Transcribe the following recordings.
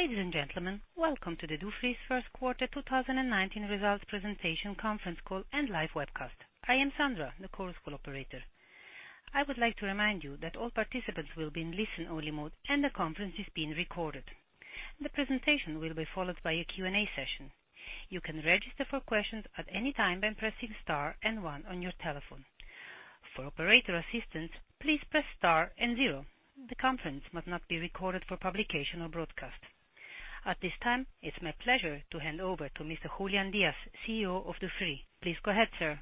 Ladies and gentlemen, welcome to the Dufry's first quarter 2019 results presentation conference call and live webcast. I am Sandra, the Chorus Call operator. I would like to remind you that all participants will be in listen-only mode, and the conference is being recorded. The presentation will be followed by a Q&A session. You can register for questions at any time by pressing star and one on your telephone. For operator assistance, please press star and zero. The conference must not be recorded for publication or broadcast. At this time, it's my pleasure to hand over to Mr. Julián Díaz, CEO of Dufry. Please go ahead, sir.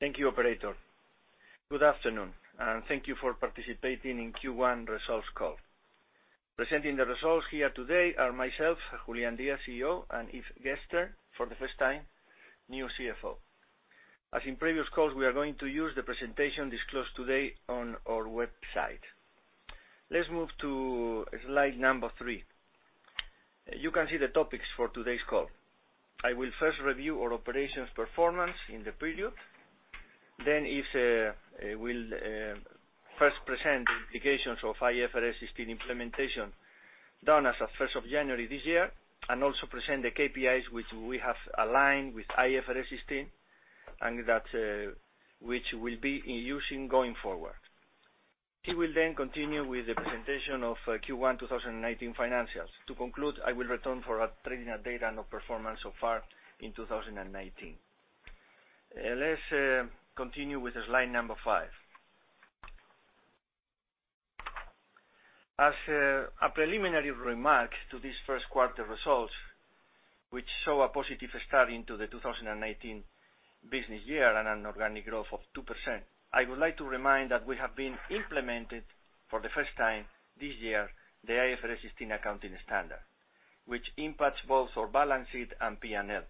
Thank you, operator. Good afternoon, and thank you for participating in Q1 results call. Presenting the results here today are myself, Julián Díaz, CEO, and Yves Gerster, for the first time, new CFO. As in previous calls, we are going to use the presentation disclosed today on our website. Let's move to slide number three. You can see the topics for today's call. I will first review our operations performance in the prelude. Yves will first present the implications of IFRS 16 implementation done as of 1st of January this year, and also present the KPIs which we have aligned with IFRS 16, and that which we'll be using going forward. He will then continue with the presentation of Q1 2019 financials. To conclude, I will return for trading update and our performance so far in 2019. Let's continue with slide number five. As a preliminary remark to this first quarter results, which show a positive start into the 2019 business year and an organic growth of 2%, I would like to remind that we have been implemented for the first time this year the IFRS 16 accounting standard. Which impacts both our balance sheet and P&L,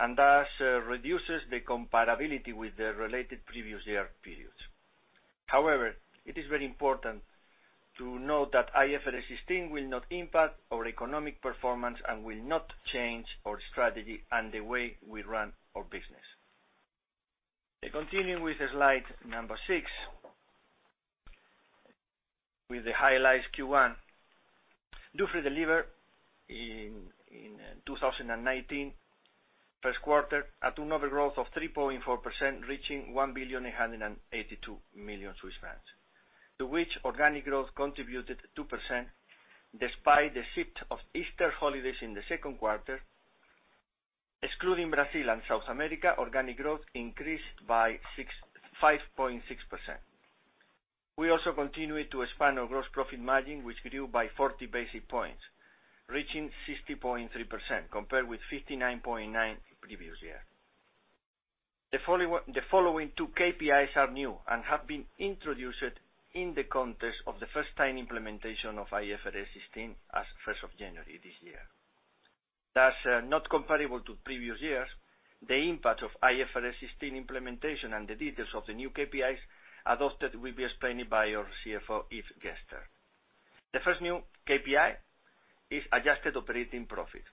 and thus reduces the comparability with the related previous year periods. However, it is very important to note that IFRS 16 will not impact our economic performance and will not change our strategy and the way we run our business. Continuing with slide number six, with the highlights Q1. Dufry delivered in 2019 first quarter a turnover growth of 3.4%, reaching 1,882,000,000 Swiss francs. To which organic growth contributed 2% despite the shift of Easter holidays in the second quarter. Excluding Brazil and South America, organic growth increased by 5.6%. We also continued to expand our gross profit margin, which grew by 40 basis points, reaching 60.3% compared with 59.9% previous year. The following two KPIs are new and have been introduced in the context of the first-time implementation of IFRS 16 as 1st of January this year. Thus, not comparable to previous years, the impact of IFRS 16 implementation and the details of the new KPIs adopted will be explained by our CFO, Yves Gerster. The first new KPI is adjusted operating profit,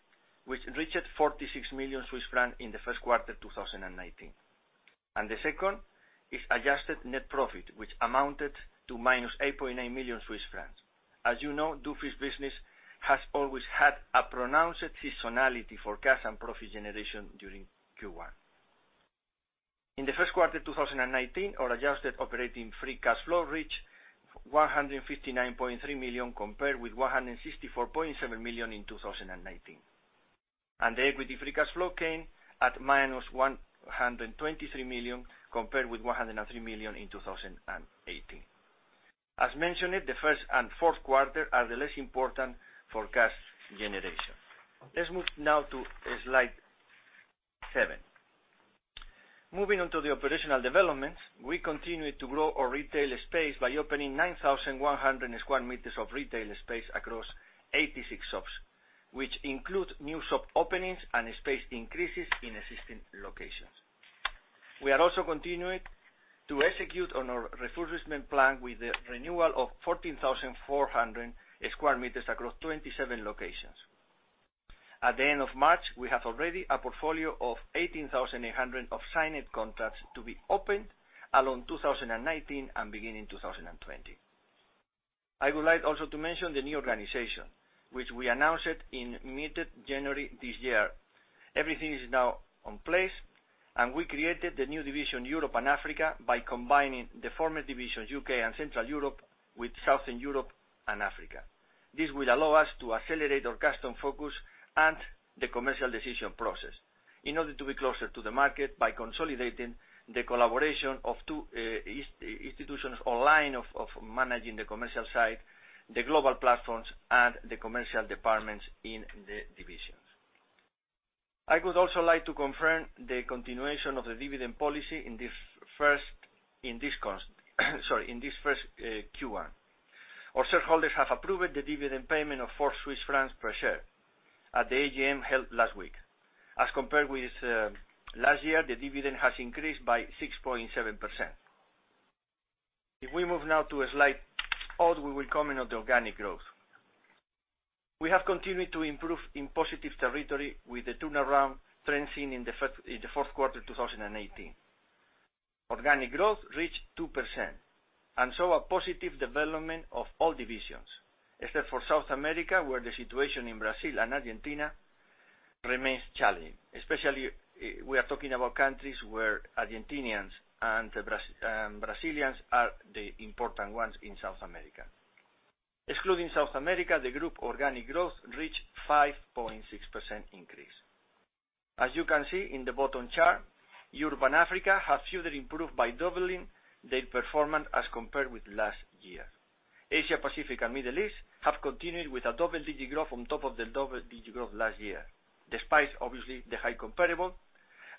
which reached 46 million Swiss francs in the first quarter 2019. The second is adjusted net profit, which amounted to -8.9 million Swiss francs. As you know, Dufry's business has always had a pronounced seasonality for cash and profit generation during Q1. In the first quarter 2019, our adjusted operating free cash flow reached 159.3 million, compared with 164.7 million in 2019. The equity free cash flow came at -123 million compared with 103 million in 2018. As mentioned, the first and fourth quarter are the less important for cash generation. Let's move now to slide seven. Moving on to the operational developments, we continued to grow our retail space by opening 9,100 sq m of retail space across 86 shops, which include new shop openings and space increases in existing locations. We are also continuing to execute on our refurbishment plan with the renewal of 14,400 sq m across 27 locations. At the end of March, we have already a portfolio of 18,800 of signed contracts to be opened along 2019 and beginning 2020. I would like also to mention the new organization, which we announced in mid-January this year. Everything is now in place, we created the new division, Europe and Africa, by combining the former divisions, U.K. and Central Europe, with Southern Europe and Africa. This will allow us to accelerate our custom focus and the commercial decision process in order to be closer to the market by consolidating the collaboration of two institutions in line of managing the commercial side, the global platforms, and the commercial departments in the divisions. I would also like to confirm the continuation of the dividend policy in this first Q1. Our shareholders have approved the dividend payment of 4 Swiss francs per share at the AGM held last week. As compared with last year, the dividend has increased by 6.7%. If we move now to slide eight, we will comment on the organic growth. We have continued to improve in positive territory with the turnaround trend seen in the fourth quarter 2018. Organic growth reached 2%, saw a positive development of all divisions, except for South America, where the situation in Brazil and Argentina remains challenging. Especially, we are talking about countries where Argentinians and Brazilians are the important ones in South America. Excluding South America, the group organic growth reached 5.6% increase. As you can see in the bottom chart, Europe and Africa have further improved by doubling their performance as compared with last year. Asia, Pacific, and Middle East have continued with a double-digit growth on top of the double-digit growth last year, despite, obviously, the high comparable.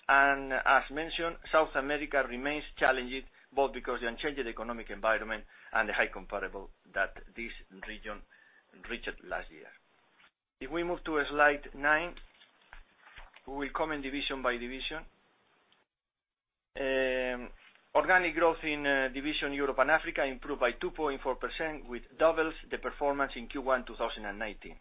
As mentioned, South America remains challenging, both because the unchanged economic environment and the high comparable that this region reached last year. If we move to slide nine, we will comment division by division. Organic growth in division Europe and Africa improved by 2.4% which doubles the performance in Q1 2019.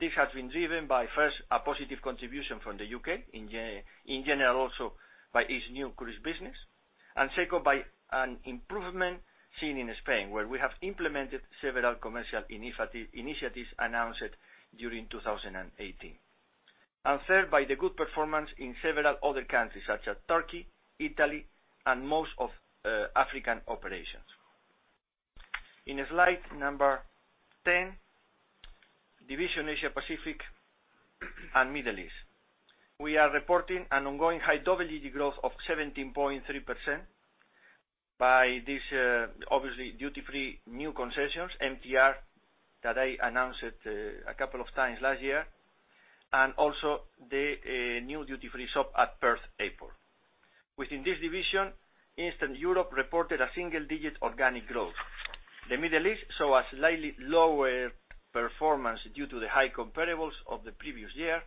This has been driven by, first, a positive contribution from the U.K., in general, also by its new cruise business. Second, by an improvement seen in Spain, where we have implemented several commercial initiatives announced during 2018. Third, by the good performance in several other countries, such as Turkey, Italy, and most of African operations. In slide number 10, division Asia Pacific and Middle East. We are reporting an ongoing high double-digit growth of 17.3% by this, obviously, duty-free new concessions, MTR, that I announced a couple of times last year, and also the new duty-free shop at Perth Airport. Within this division, Eastern Europe reported a single-digit organic growth. The Middle East saw a slightly lower performance due to the high comparables of the previous year,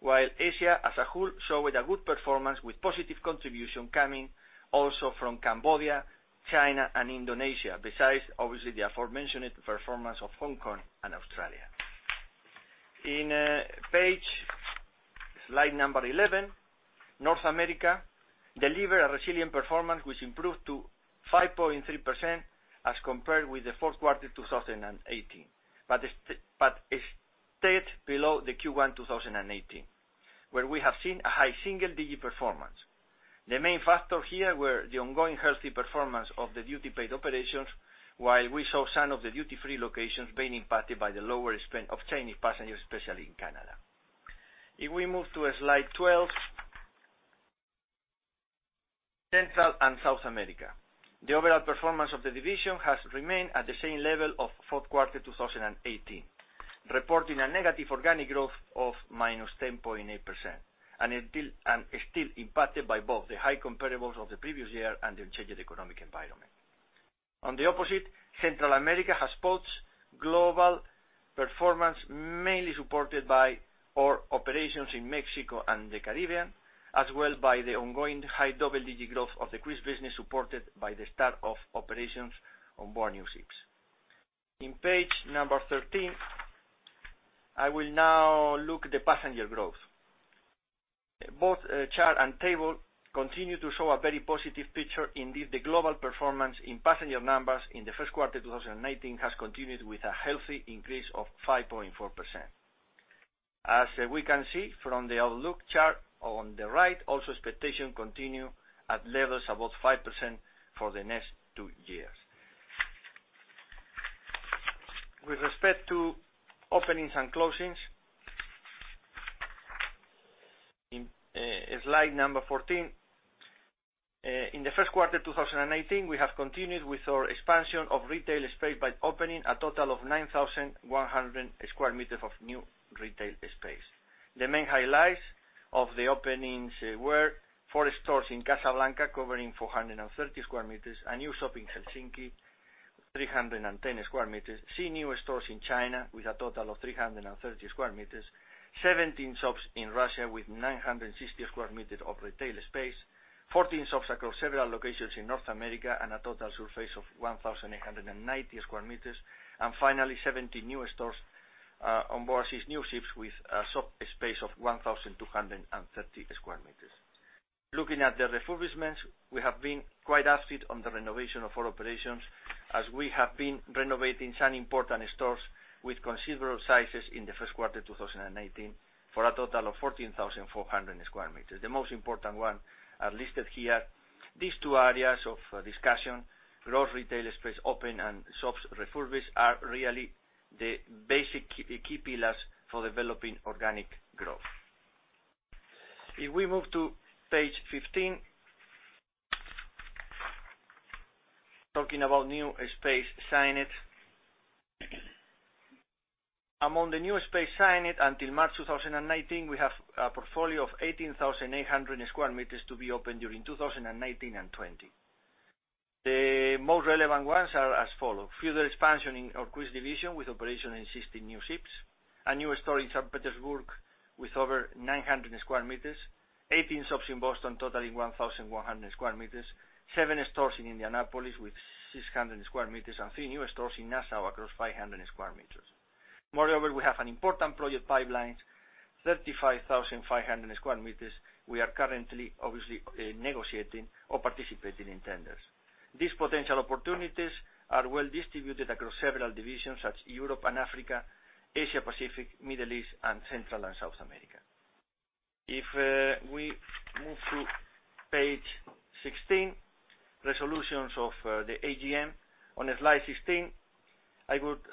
while Asia as a whole showed a good performance with positive contribution coming also from Cambodia, China, and Indonesia, besides, obviously, the aforementioned performance of Hong Kong and Australia. In page, slide number 11, North America delivered a resilient performance which improved to 5.3% as compared with the fourth quarter 2018, but stayed below the Q1 2018, where we have seen a high single-digit performance. The main factor here were the ongoing healthy performance of the duty-paid operations, while we saw some of the duty-free locations being impacted by the lower spend of Chinese passengers, especially in Canada. If we move to slide 12, Central and South America. The overall performance of the division has remained at the same level of fourth quarter 2018, reporting a negative organic growth of -10.8%, is still impacted by both the high comparables of the previous year and the unchanged economic environment. On the opposite, Central America has both global performance, mainly supported by our operations in Mexico and the Caribbean, as well by the ongoing high double-digit growth of the cruise business supported by the start of operations on board new ships. In page number 13, I will now look the passenger growth. Both chart and table continue to show a very positive picture. Indeed, the global performance in passenger numbers in the first quarter 2019 has continued with a healthy increase of 5.4%. As we can see from the outlook chart on the right, also expectation continue at levels above 5% for the next two years. With respect to openings and closings, in slide number 14. In the first quarter 2019, we have continued with our expansion of retail space by opening a total of 9,100 sq m of new retail space. The main highlights of the openings were four stores in Casablanca, covering 430 sq m, a new shop in Helsinki, 310 sq m, three new stores in China with a total of 330 sq m, 17 shops in Russia with 960 sq m of retail space, 14 shops across several locations in North America and a total surface of 1,890 sq m. Finally, 17 new stores on board these new ships with a shop space of 1,230 sq m. Looking at the refurbishments, we have been quite active on the renovation of our operations as we have been renovating some important stores with considerable sizes in the first quarter 2019 for a total of 14,400 sq m. The most important one are listed here. These two areas of discussion, growth retail space open and shops refurbished, are really the basic key pillars for developing organic growth. If we move to page 15, talking about new space signed. Among the new space signed until March 2019, we have a portfolio of 18,800 sq m to be opened during 2019 and 2020. The most relevant ones are as follow. Further expansion in our cruise division with operation in existing new ships, a new store in St. Petersburg with over 900 sq m, 18 shops in Boston totaling 1,100 sq m, seven stores in Indianapolis with 600 sq m, and three new stores in Nassau across 500 sq m. Moreover, we have an important project pipeline, 35,500 sq m. We are currently, obviously, negotiating or participating in tenders. These potential opportunities are well distributed across several divisions such Europe and Africa, Asia Pacific, Middle East, and Central and South America. If we move to page 16, resolutions of the AGM. On slide 16, I would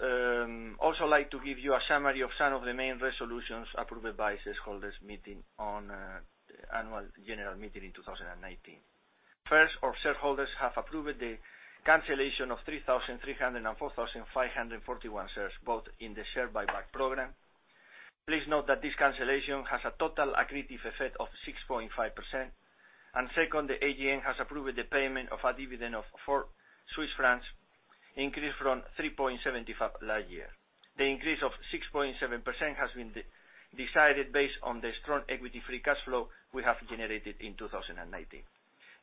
also like to give you a summary of some of the main resolutions approved by shareholders meeting on annual general meeting in 2019. First, our shareholders have approved the cancellation of 3,300 and 4,541 shares, both in the share buyback program. Please note that this cancellation has a total accretive effect of 6.5%. Second, the AGM has approved the payment of a dividend of 4 Swiss francs, increased from 3.75 last year. The increase of 6.7% has been decided based on the strong equity free cash flow we have generated in 2019.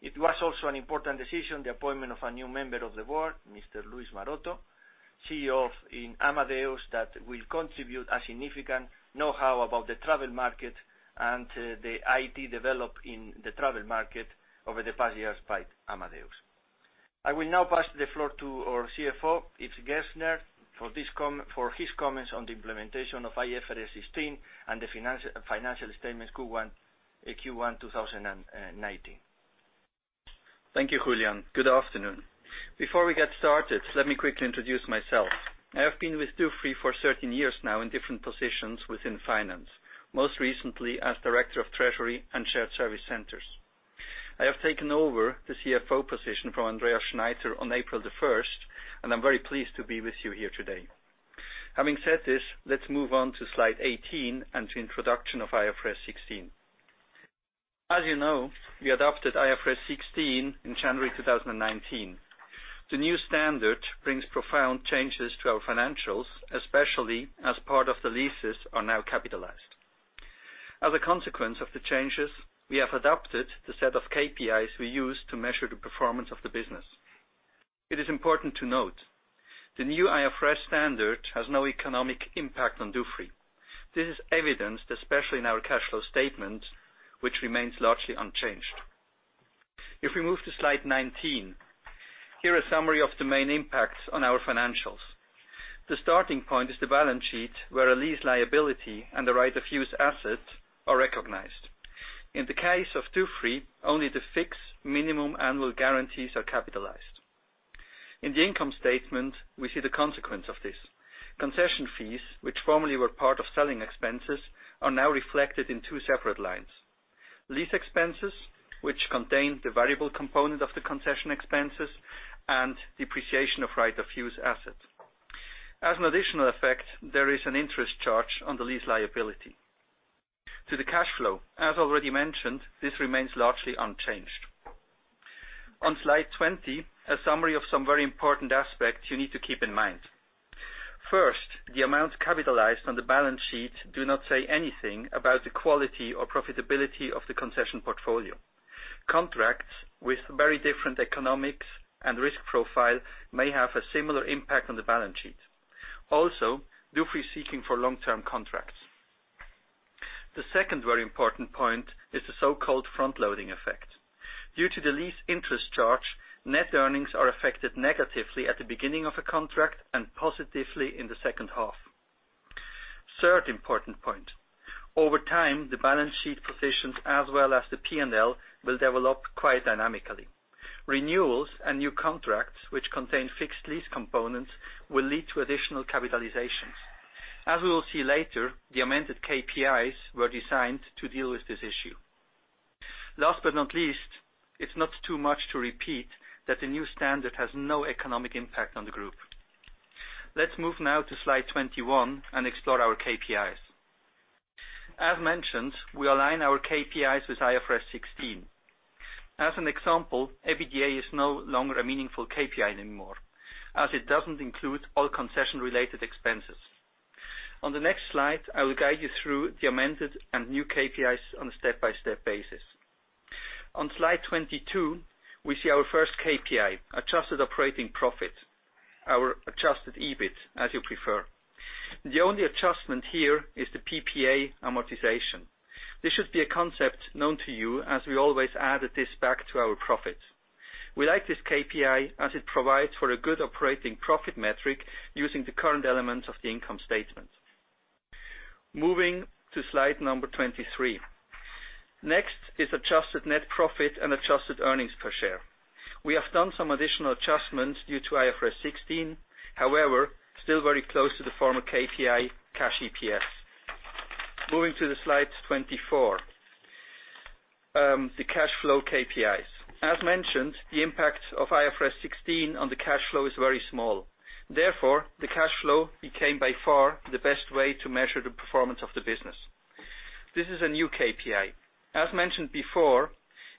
It was also an important decision, the appointment of a new member of the board, Mr. Luis Maroto, CEO in Amadeus, that will contribute a significant knowhow about the travel market and the IT developed in the travel market over the past years by Amadeus. I will now pass the floor to our CFO, Yves Gerster, for his comments on the implementation of IFRS 16 and the financial statements Q1 2019. Thank you, Julián. Good afternoon. Before we get started, let me quickly introduce myself. I have been with Dufry for 13 years now in different positions within finance, most recently as Director of Treasury and Shared Service Centers. I have taken over the CFO position from Andreas Schneider on April 1st, and I'm very pleased to be with you here today. Having said this, let's move on to slide 18 and to introduction of IFRS 16. As you know, we adopted IFRS 16 in January 2019. The new standard brings profound changes to our financials, especially as part of the leases are now capitalized. As a consequence of the changes, we have adopted the set of KPIs we use to measure the performance of the business. It is important to note, the new IFRS standard has no economic impact on Dufry. This is evidenced, especially in our cash flow statement, which remains largely unchanged. If we move to slide 19, here a summary of the main impacts on our financials. The starting point is the balance sheet, where a lease liability and the right-of-use assets are recognized. In the case of Dufry, only the fixed minimum annual guarantees are capitalized. In the income statement, we see the consequence of this. Concession fees, which formerly were part of selling expenses, are now reflected in two separate lines. Lease expenses, which contain the variable component of the concession expenses and depreciation of right-of-use assets. As an additional effect, there is an interest charge on the lease liability. To the cash flow, as already mentioned, this remains largely unchanged. On slide 20, a summary of some very important aspects you need to keep in mind. First, the amounts capitalized on the balance sheet do not say anything about the quality or profitability of the concession portfolio. Contracts with very different economics and risk profile may have a similar impact on the balance sheet. Dufry is seeking for long-term contracts. The second very important point is the so-called front-loading effect. Due to the lease interest charge, net earnings are affected negatively at the beginning of a contract and positively in the second half. Third important point. Over time, the balance sheet positions as well as the P&L will develop quite dynamically. Renewals and new contracts, which contain fixed lease components, will lead to additional capitalizations. We will see later, the amended KPIs were designed to deal with this issue. Last but not least, it's not too much to repeat that the new standard has no economic impact on the group. Let's move now to slide 21 and explore our KPIs. Mentioned, we align our KPIs with IFRS 16. An example, EBITDA is no longer a meaningful KPI anymore, it doesn't include all concession-related expenses. On the next slide, I will guide you through the amended and new KPIs on a step-by-step basis. On slide 22, we see our first KPI, adjusted operating profit. Our adjusted EBIT, you prefer. The only adjustment here is the PPA amortization. This should be a concept known to you we always added this back to our profit. We like this KPI as it provides for a good operating profit metric using the current elements of the income statement. Moving to slide number 23. Next is adjusted net profit and adjusted earnings per share. We have done some additional adjustments due to IFRS 16, however, still very close to the former KPI, cash EPS. Moving to the slide 24. The cash flow KPIs. Mentioned, the impact of IFRS 16 on the cash flow is very small. The cash flow became by far the best way to measure the performance of the business. This is a new KPI. Mentioned before,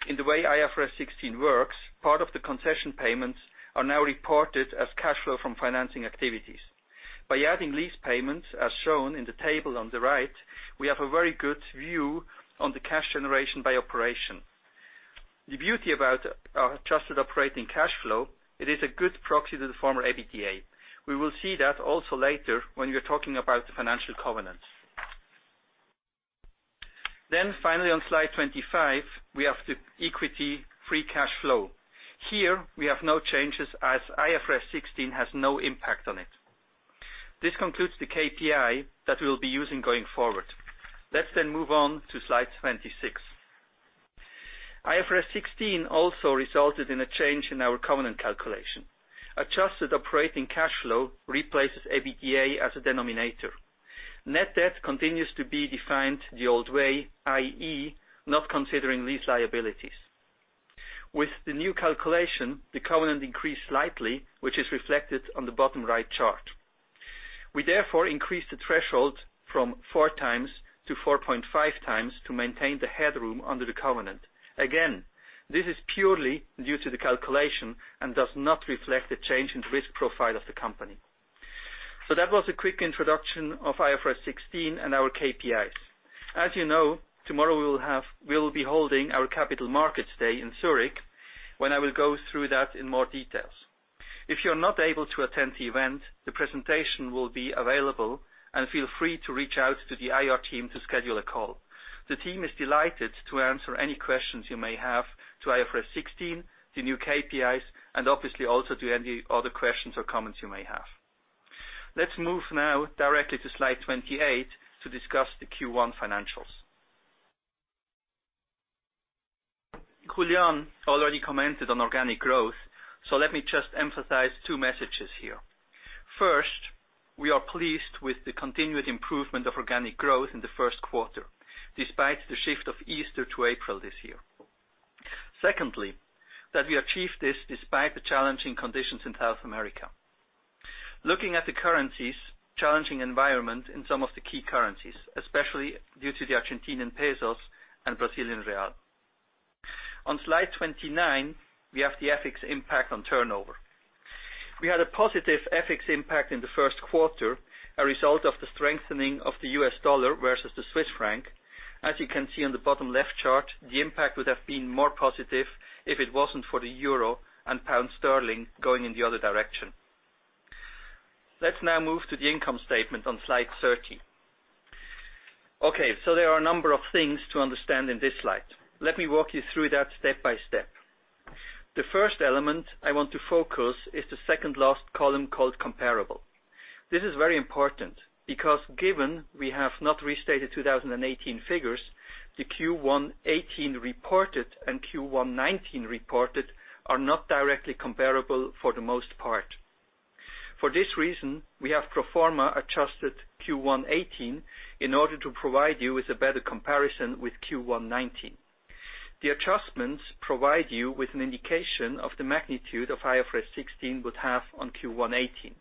in the way IFRS 16 works, part of the concession payments are now reported as cash flow from financing activities. By adding lease payments as shown in the table on the right, we have a very good view on the cash generation by operation. The beauty about our adjusted operating cash flow. It is a good proxy to the former EBITDA. We will see that also later when we're talking about the financial covenants. Finally on slide 25, we have the equity-free cash flow. Here, we have no changes IFRS 16 has no impact on it. This concludes the KPI that we'll be using going forward. Let's move on to slide 26. IFRS 16 also resulted in a change in our covenant calculation. Adjusted operating cash flow replaces EBITDA as a denominator. Net debt continues to be defined the old way, i.e., not considering these liabilities. With the new calculation, the covenant increased slightly, which is reflected on the bottom right chart. We increased the threshold from four times to 4.5 times to maintain the headroom under the covenant. Again, this is purely due to the calculation and does not reflect the change in risk profile of the company. That was a quick introduction of IFRS 16 and our KPIs. As you know, tomorrow we will be holding our capital markets day in Zurich, when I will go through that in more details. If you're not able to attend the event, the presentation will be available, and feel free to reach out to the IR team to schedule a call. The team is delighted to answer any questions you may have to IFRS 16, the new KPIs, and obviously also to any other questions or comments you may have. Let's move now directly to slide 28 to discuss the Q1 financials. Julián already commented on organic growth, so let me just emphasize two messages here. First, we are pleased with the continued improvement of organic growth in the first quarter, despite the shift of Easter to April this year. Secondly, that we achieved this despite the challenging conditions in South America. Looking at the currencies, challenging environment in some of the key currencies, especially due to the Argentine pesos and Brazilian real. On slide 29, we have the FX impact on turnover. We had a positive FX impact in the first quarter, a result of the strengthening of the US dollar versus the Swiss franc. As you can see on the bottom left chart, the impact would have been more positive if it wasn't for the euro and pound sterling going in the other direction. Let's now move to the income statement on slide 30. There are a number of things to understand in this slide. Let me walk you through that step by step. The first element I want to focus is the second last column called comparable. This is very important because given we have not restated 2018 figures, the Q1 2018 reported and Q1 2019 reported are not directly comparable for the most part. For this reason, we have pro forma adjusted Q1 2018 in order to provide you with a better comparison with Q1 2019. The adjustments provide you with an indication of the magnitude of IFRS 16 would have on Q1 2018.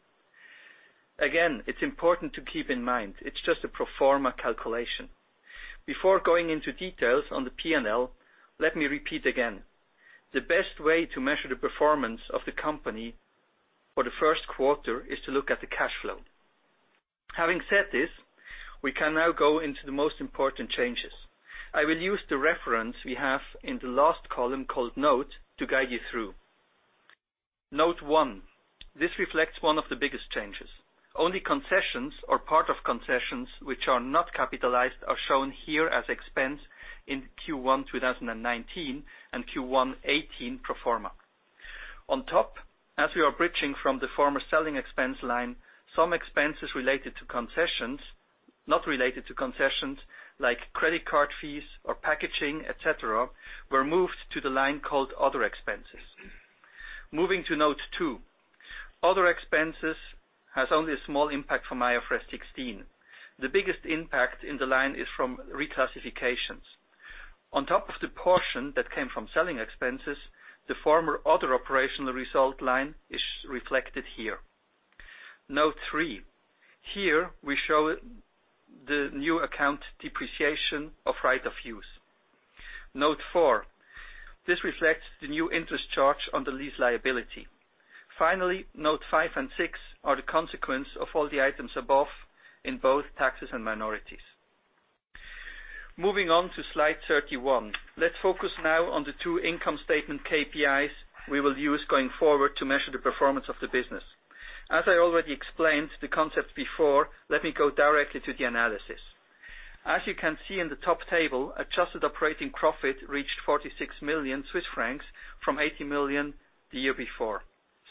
Again, it's important to keep in mind, it's just a pro forma calculation. Before going into details on the P&L, let me repeat again. The best way to measure the performance of the company for the first quarter is to look at the cash flow. Having said this, we can now go into the most important changes. I will use the reference we have in the last column called note to guide you through. Note one, this reflects one of the biggest changes. Only concessions or part of concessions which are not capitalized are shown here as expense in Q1 2019 and Q1 2018 pro forma. On top, as we are bridging from the former selling expense line, some expenses related to concessions, not related to concessions, like credit card fees or packaging, et cetera, were moved to the line called other expenses. Moving to Note two, other expenses has only a small impact from IFRS 16. The biggest impact in the line is from reclassifications. On top of the portion that came from selling expenses, the former other operational result line is reflected here. Note three, here we show the new account depreciation of right-of-use. Note four, this reflects the new interest charge on the lease liability. Finally, note five and six are the consequence of all the items above in both taxes and minorities. Moving on to slide 31. Let's focus now on the two income statement KPIs we will use going forward to measure the performance of the business. As I already explained the concept before, let me go directly to the analysis. As you can see in the top table, adjusted operating profit reached 46 million Swiss francs from 80 million the year before.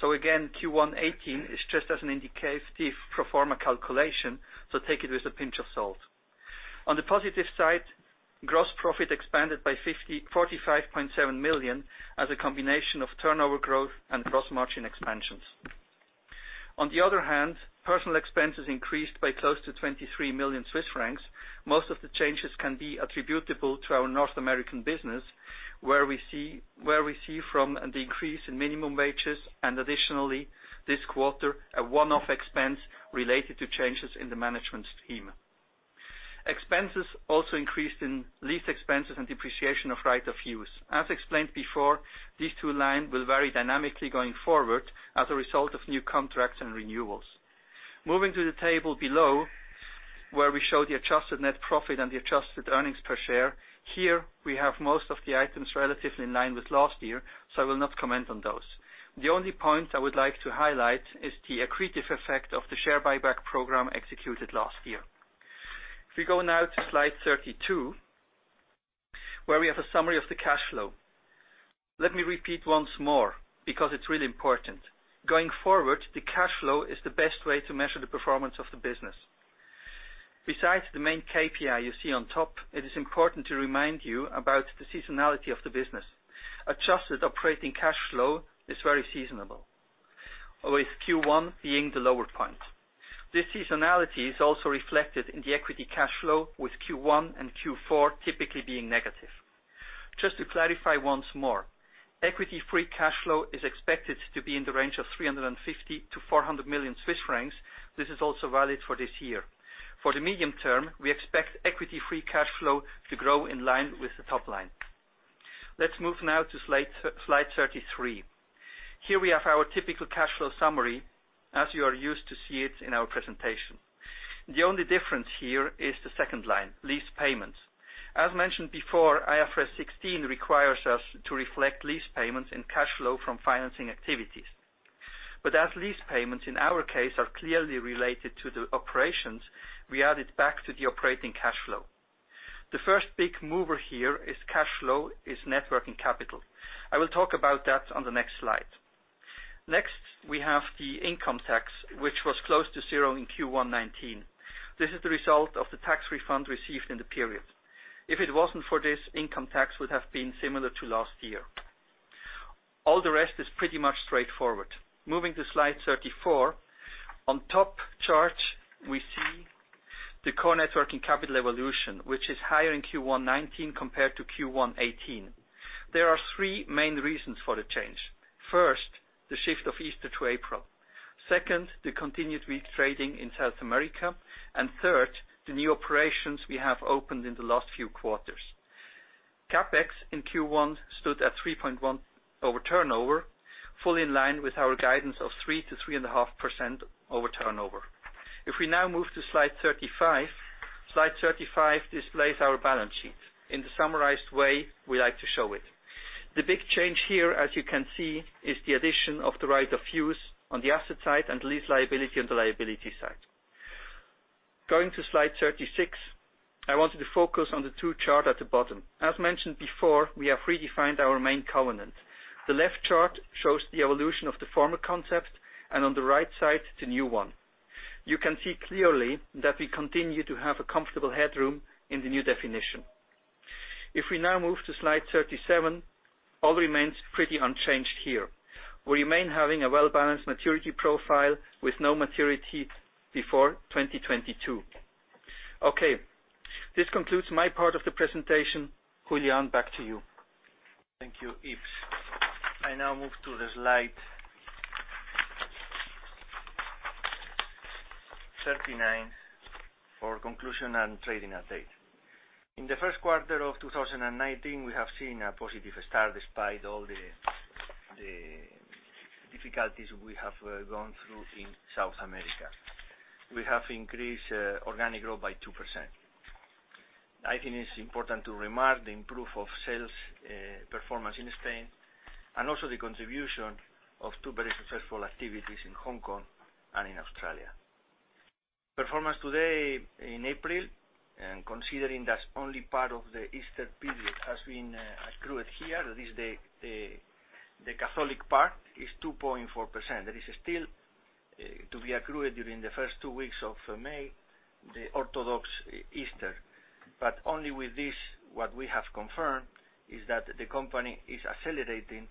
Q1 2018 is just as an indicative pro forma calculation, so take it with a pinch of salt. On the positive side, gross profit expanded by 45.7 million as a combination of turnover growth and gross margin expansions. On the other hand, personal expenses increased by close to 23 million Swiss francs. Most of the changes can be attributable to our North American business, where we see from the increase in minimum wages and additionally this quarter, a one-off expense related to changes in the management team. Expenses also increased in lease expenses and depreciation of right-of-use. As explained before, these two line will vary dynamically going forward as a result of new contracts and renewals. Moving to the table below, where we show the adjusted net profit and the adjusted earnings per share. Here, we have most of the items relatively in line with last year, so I will not comment on those. The only point I would like to highlight is the accretive effect of the share buyback program executed last year. If we go now to slide 32, where we have a summary of the cash flow. Let me repeat once more because it's really important. Going forward, the cash flow is the best way to measure the performance of the business. Besides the main KPI you see on top, it is important to remind you about the seasonality of the business. adjusted operating cash flow is very seasonable, with Q1 being the lower point. This seasonality is also reflected in the equity cash flow, with Q1 and Q4 typically being negative. Just to clarify once more, equity free cash flow is expected to be in the range of 350 million-400 million Swiss francs. This is also valid for this year. For the medium term, we expect equity free cash flow to grow in line with the top line. Let's move now to slide 33. Here we have our typical cash flow summary, as you are used to see it in our presentation. The only difference here is the second line, lease payments. As mentioned before, IFRS 16 requires us to reflect lease payments in cash flow from financing activities. As lease payments, in our case, are clearly related to the operations, we add it back to the operating cash flow. The first big mover here is cash flow is net working capital. I will talk about that on the next slide. Next, we have the income tax, which was close to zero in Q1 2019. This is the result of the tax refund received in the period. If it wasn't for this, income tax would have been similar to last year. All the rest is pretty much straightforward. Moving to slide 34. On top chart, we see the core net working capital evolution, which is higher in Q1 2019 compared to Q1 2018. There are three main reasons for the change. First, the shift of Easter to April. Second, the continued weak trading in South America. Third, the new operations we have opened in the last few quarters. CapEx in Q1 stood at 3.1% over turnover, fully in line with our guidance of 3%-3.5% over turnover. We now move to slide 35. Slide 35 displays our balance sheet in the summarized way we like to show it. The big change here, as you can see, is the addition of the right-of-use on the asset side and lease liability on the liability side. Going to slide 36. I wanted to focus on the two chart at the bottom. As mentioned before, we have redefined our main covenant. The left chart shows the evolution of the former concept, and on the right side, the new one. You can see clearly that we continue to have a comfortable headroom in the new definition. We now move to slide 37, all remains pretty unchanged here. We remain having a well-balanced maturity profile with no maturity before 2022. This concludes my part of the presentation. Julián, back to you. Thank you, Yves. I now move to slide 39 for conclusion and trading update. In the first quarter of 2019, we have seen a positive start despite all the difficulties we have gone through in South America. We have increased organic growth by 2%. I think it's important to remark the improve of sales performance in Spain, and also the contribution of two very successful activities in Hong Kong and in Australia. Performance today in April, and considering that only part of the Easter period has been accrued here, that is the Catholic part, is 2.4%. There is still to be accrued during the first two weeks of May, the Orthodox Easter. Only with this, what we have confirmed is that the company is accelerating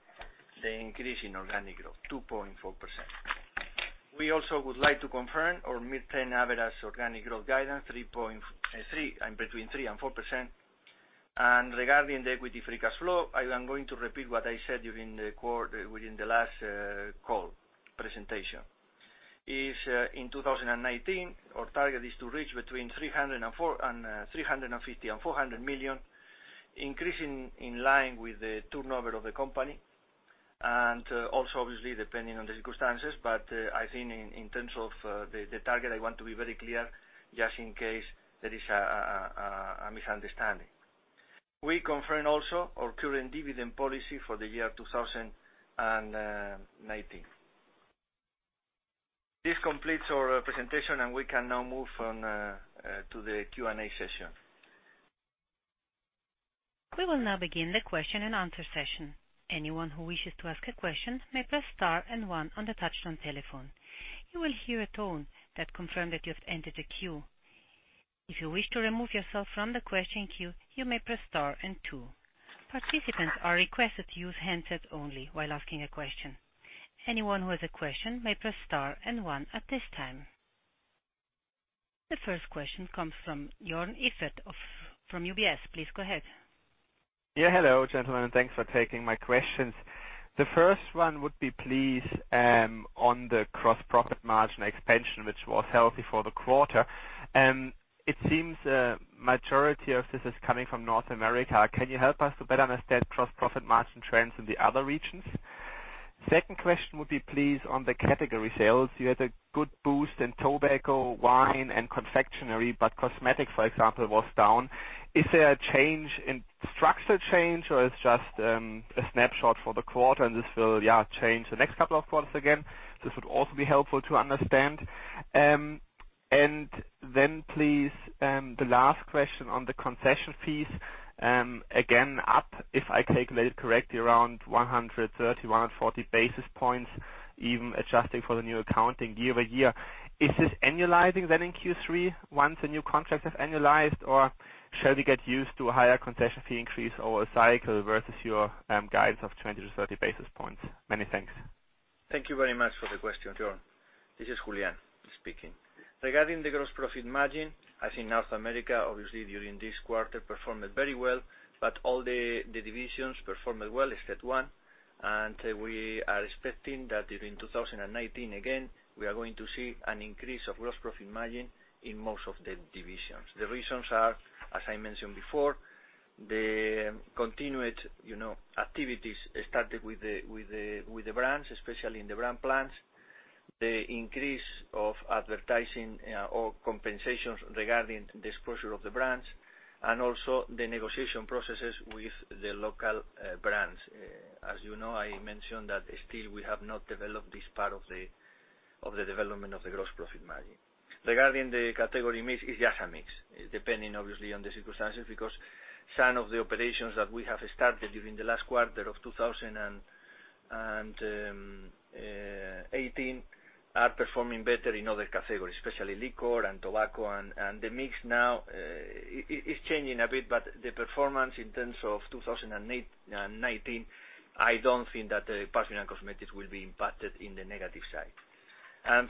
the increase in organic growth, 2.4%. We also would like to confirm our mid-term average organic growth guidance between 3% and 4%. Regarding the equity free cash flow, I am going to repeat what I said within the last call presentation, is in 2019, our target is to reach between 350 million and 400 million, increasing in line with the turnover of the company, and also obviously depending on the circumstances. I think in terms of the target, I want to be very clear, just in case there is a misunderstanding. We confirm also our current dividend policy for the year 2019. This completes our presentation, and we can now move on to the Q&A session. We will now begin the question and answer session. Anyone who wishes to ask a question may press Star and One on the touch-tone telephone. You will hear a tone that confirm that you have entered the queue. If you wish to remove yourself from the question queue, you may press Star and Two. Participants are requested to use handsets only while asking a question. Anyone who has a question may press Star and One at this time. The first question comes from Joern Iffert from UBS. Please go ahead. Hello, gentlemen. Thanks for taking my questions. The first one would be please on the gross profit margin expansion, which was healthy for the quarter. It seems majority of this is coming from North America. Can you help us to better understand gross profit margin trends in the other regions? Second question would be please on the category sales. You had a good boost in tobacco, wine, and confectionery, but cosmetics, for example, was down. Is there a structural change or it's just a snapshot for the quarter and this will change the next couple of quarters again? This would also be helpful to understand. Please, the last question on the concession fees. Again, up, if I calculated correctly, around 130, 140 basis points, even adjusting for the new accounting year-over-year. Is this annualizing then in Q3 once the new contract has annualized? Or shall we get used to a higher concession fee increase over a cycle versus your guidance of 20 to 30 basis points? Many thanks. Thank you very much for the question, Joern. This is Julián speaking. Regarding the gross profit margin, I think North America, obviously, during this quarter performed very well, but all the divisions performed well, except one. We are expecting that during 2019, again, we are going to see an increase of gross profit margin in most of the divisions. The reasons are, as I mentioned before, the continued activities started with the brands, especially in the brand plans. The increase of advertising or compensations regarding the exposure of the brands, also the negotiation processes with the local brands. As you know, I mentioned that still we have not developed this part of the development of the gross profit margin. Regarding the category mix, it's just a mix. Depending, obviously, on the circumstances, because some of the operations that we have started during the last quarter of 2018 are performing better in other categories, especially liquor and tobacco. The mix now is changing a bit, but the performance in terms of 2019, I don't think that perfume and cosmetics will be impacted in the negative side.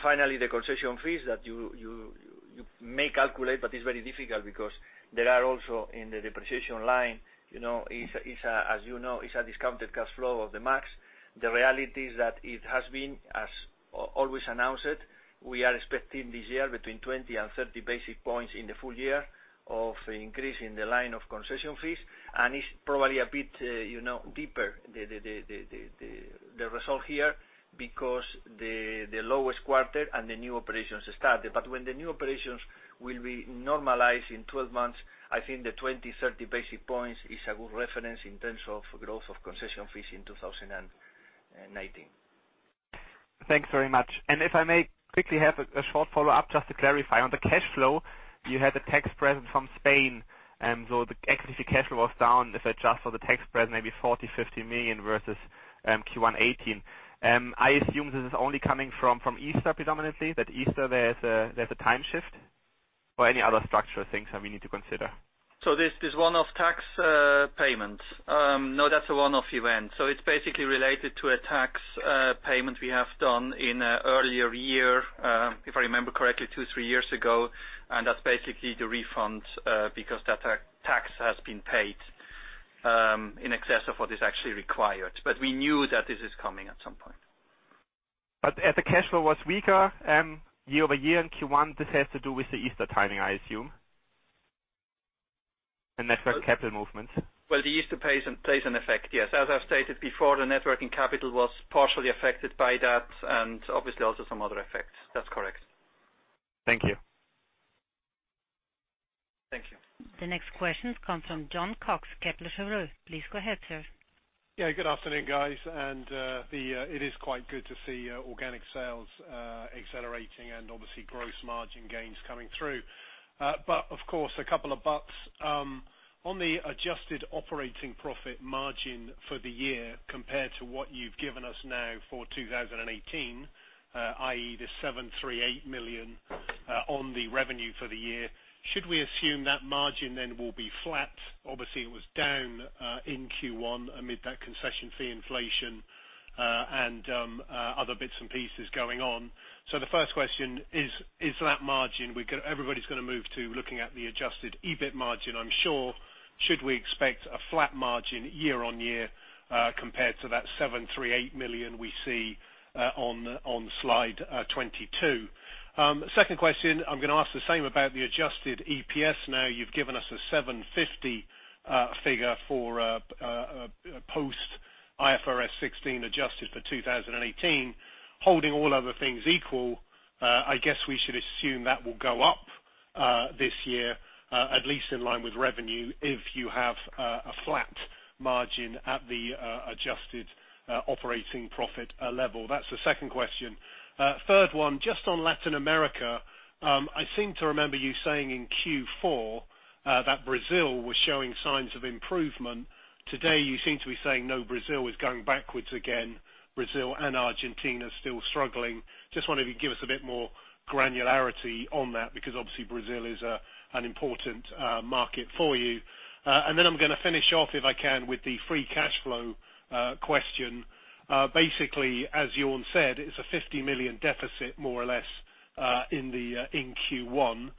Finally, the concession fees that you may calculate, but it's very difficult because there are also in the depreciation line, as you know, it's a discounted cash flow of the MAG. The reality is that it has been, as always announced, we are expecting this year between 20 and 30 basis points in the full year of increase in the line of concession fees. It's probably a bit deeper, the result here because the lowest quarter and the new operations started. When the new operations will be normalized in 12 months, I think the 20, 30 basis points is a good reference in terms of growth of concession fees in 2019. Thanks very much. If I may quickly have a short follow-up, just to clarify. On the cash flow, you had a tax payment from Spain, the equity free cash flow was down if I adjust for the tax payment, maybe 40 million-50 million versus Q1 2018. I assume this is only coming from Easter predominantly, that Easter there's a time shift, or any other structural things that we need to consider? This one-off tax payment. No, that's a one-off event. It's basically related to a tax payment we have done in an earlier year, if I remember correctly, two, three years ago. That's basically the refund because that tax has been paid in excess of what is actually required. We knew that this is coming at some point. As the cash flow was weaker year-over-year in Q1, this has to do with the Easter timing, I assume? Net working capital movements. Well, the Easter plays an effect, yes. As I've stated before, the net working capital was partially affected by that and obviously also some other effects. That's correct. Thank you. Thank you. The next questions come from Jon Cox, Kepler Cheuvreux. Please go ahead, sir. Yeah, good afternoon, guys. It is quite good to see organic sales accelerating and obviously gross margin gains coming through. Of course, a couple of buts. On the adjusted operating profit margin for the year compared to what you've given us now for 2018, i.e., the 738 million on the revenue for the year, should we assume that margin then will be flat? Obviously, it was down in Q1 amid that concession fee inflation and other bits and pieces going on. The first question is that margin, everybody's going to move to looking at the adjusted EBIT margin, I'm sure. Should we expect a flat margin year-on-year compared to that 738 million we see on slide 22? Second question, I'm going to ask the same about the adjusted EPS now. You've given us a 750 figure for post IFRS 16 adjusted for 2018. Holding all other things equal, I guess we should assume that will go up this year, at least in line with revenue if you have a flat margin at the adjusted operating profit level. That's the second question. Third one, just on Latin America. I seem to remember you saying in Q4 that Brazil was showing signs of improvement. Today you seem to be saying, no, Brazil is going backwards again. Brazil and Argentina still struggling. Just wondered if you could give us a bit more granularity on that because obviously Brazil is an important market for you. I'm going to finish off if I can with the free cash flow question. Basically, as Joern said, it's a 50 million deficit more or less in Q1.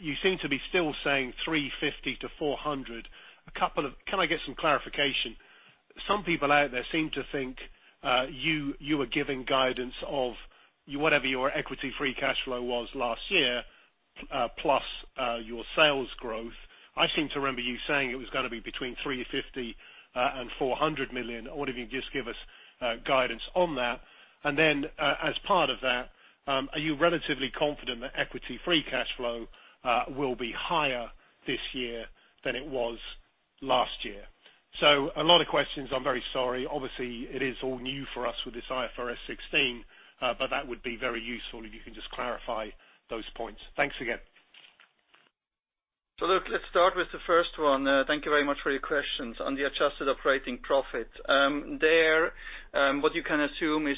You seem to be still saying 350 million to 400 million. Can I get some clarification? Some people out there seem to think you were giving guidance of whatever your equity free cash flow was last year plus your sales growth. I seem to remember you saying it was going to be between 350 million and 400 million. I wonder if you can just give us guidance on that. As part of that, are you relatively confident that equity free cash flow will be higher this year than it was last year? A lot of questions, I'm very sorry. Obviously, it is all new for us with this IFRS 16, but that would be very useful if you can just clarify those points. Thanks again. Look, let's start with the first one. Thank you very much for your questions. On the adjusted operating profit. There, what you can assume is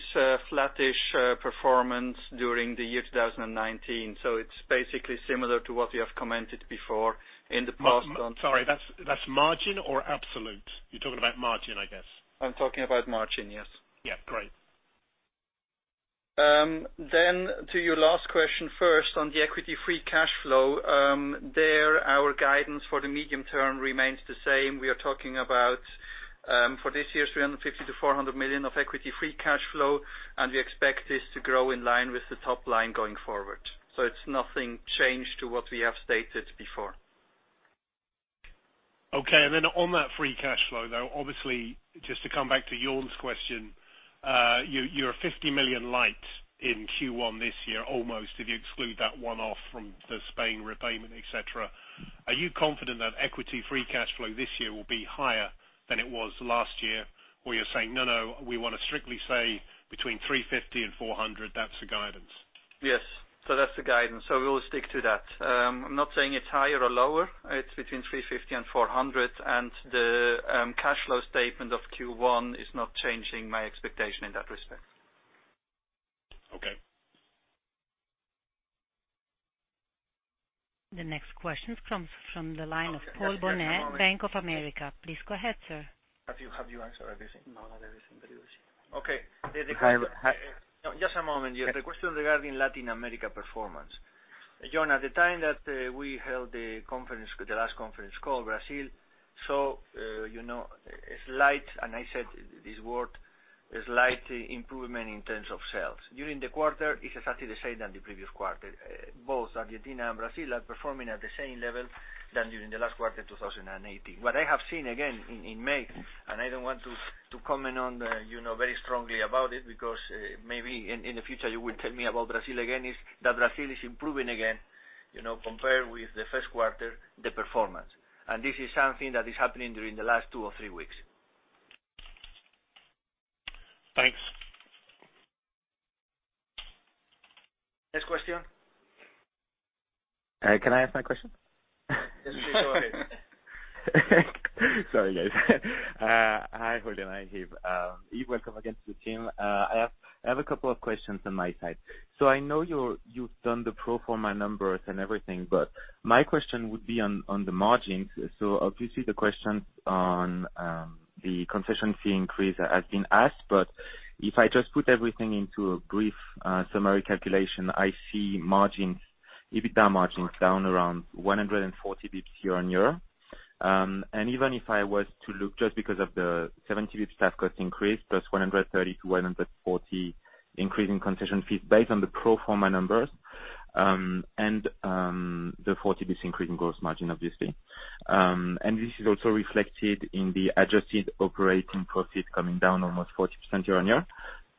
flattish performance during the year 2019. It's basically similar to what we have commented before in the past on- Sorry, that's margin or absolute? You're talking about margin, I guess. I'm talking about margin, yes. Yeah. Great. To your last question first on the equity free cash flow. There, our guidance for the medium term remains the same. We are talking about, for this year, 350 million-400 million of equity free cash flow, and we expect this to grow in line with the top line going forward. It's nothing changed to what we have stated before. On that free cash flow, though, obviously, just to come back to Joern's question, you're 50 million light in Q1 this year almost, if you exclude that one-off from the Spain repayment, et cetera. Are you confident that equity free cash flow this year will be higher than it was last year? Or you're saying, "No, no, we want to strictly say between 350 and 400. That's the guidance. That's the guidance. We will stick to that. I'm not saying it's higher or lower. It's between 350 and 400, and the cash flow statement of Q1 is not changing my expectation in that respect. Okay. The next question comes from the line of Paul Bonnet. Okay. Just a moment Bank of America. Please go ahead, sir. Have you answered everything? No, not everything, but you will see. Okay. Hi. Just a moment. The question regarding Latin America performance. Joern, at the time that we held the last conference call, Brazil saw a slight, and I said this word, slight improvement in terms of sales. During the quarter, it's exactly the same than the previous quarter. Both Argentina and Brazil are performing at the same level than during the last quarter 2018. What I have seen again in May, and I don't want to comment on very strongly about it, because maybe in the future you will tell me about Brazil again, is that Brazil is improving again, compared with the first quarter, the performance. This is something that is happening during the last two or three weeks. Thanks. Next question. Can I ask my question? Yes, please. Go ahead. Sorry, guys. Hi, Julián. Hi, Yves. Yves, welcome again to the team. I have a couple of questions on my side. I know you've done the pro forma numbers and everything, my question would be on the margins. Obviously the questions on the concession fee increase has been asked. If I just put everything into a brief summary calculation, I see EBITDA margins down around 140 basis points year-on-year. Even if I was to look just because of the 70 basis points staff cost increase, plus 130 to 140 increase in concession fees based on the pro forma numbers, and the 40 basis points increase in gross margin, obviously. This is also reflected in the adjusted operating profit coming down almost 40% year-on-year.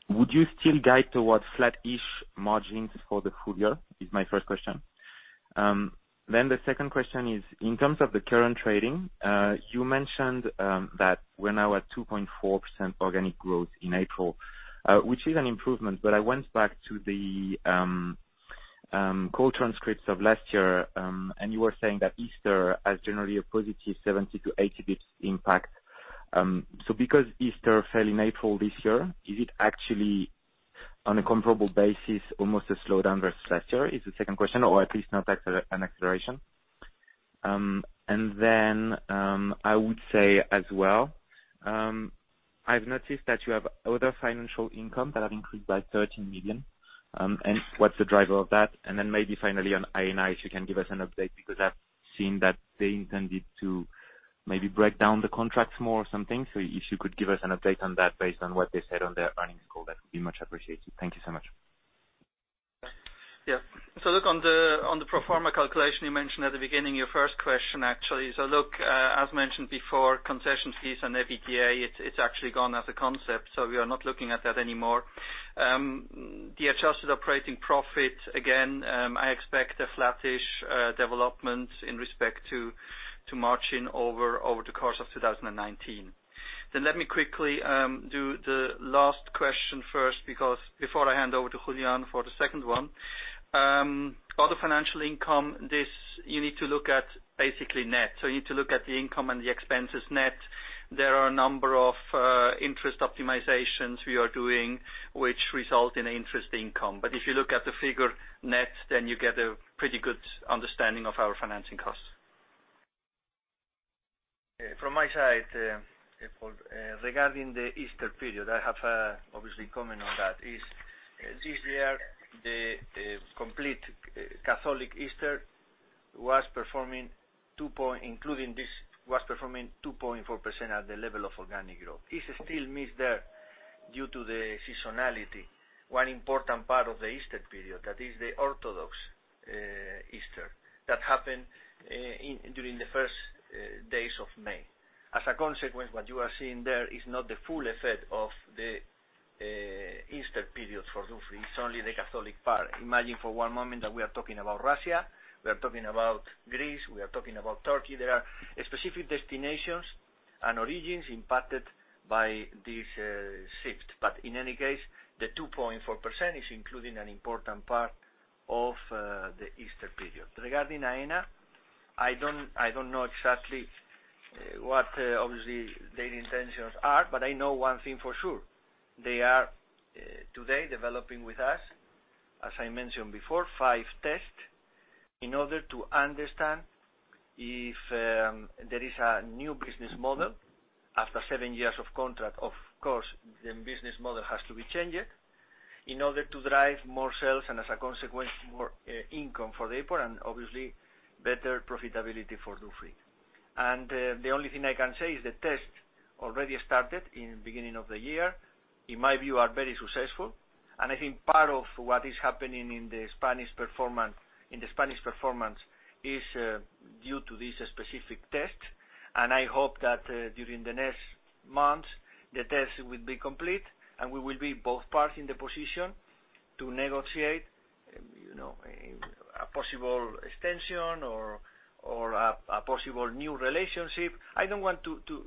Would you still guide towards flattish margins for the full year? Is my first question. The second question is, in terms of the current trading, you mentioned that we're now at 2.4% organic growth in April, which is an improvement. I went back to the call transcripts of last year, and you were saying that Easter has generally a positive 70 to 80 basis points impact. Because Easter fell in April this year, is it actually on a comparable basis, almost a slowdown versus last year? Is the second question, or at least not an acceleration. I would say as well, I've noticed that you have other financial income that have increased by 13 million. What's the driver of that? Maybe finally on Aena, if you can give us an update, because I've seen that they intended to maybe break down the contracts more or something. If you could give us an update on that based on what they said on their earnings call, that would be much appreciated. Thank you so much. Look on the pro forma calculation you mentioned at the beginning, your first question actually. Look, as mentioned before, concession fees and EBITDA, it's actually gone as a concept, so we are not looking at that anymore. The adjusted operating profit, again, I expect a flattish development in respect to margin over the course of 2019. Let me quickly do the last question first before I hand over to Julián for the second one. Other financial income, you need to look at basically net. You need to look at the income and the expenses net. There are a number of interest optimizations we are doing which result in interest income. If you look at the figure net, then you get a pretty good understanding of our financing costs. From my side, Paul. Regarding the Easter period, I have obviously comment on that. This year, the complete Catholic Easter was performing, including this, was performing 2.4% at the level of organic growth. It still missed there due to the seasonality, one important part of the Easter period, that is the Orthodox Easter, that happened during the first days of May. As a consequence, what you are seeing there is not the full effect of the Easter period for Dufry. It's only the Catholic part. Imagine for one moment that we are talking about Russia, we are talking about Greece, we are talking about Turkey. There are specific destinations and origins impacted by this shift. In any case, the 2.4% is including an important part of the Easter period. Regarding Aena, I don't know exactly what, obviously, their intentions are, but I know one thing for sure. They are today developing with us, as I mentioned before, five tests in order to understand if there is a new business model after seven years of contract. Of course, the business model has to be changed in order to drive more sales and as a consequence, more income for the airport and obviously better profitability for Dufry. The only thing I can say is the test already started in beginning of the year, in my view, are very successful, and I think part of what is happening in the Spanish performance is due to this specific test, and I hope that during the next months, the test will be complete, and we will be both parts in the position to negotiate a possible extension or a possible new relationship. I don't want to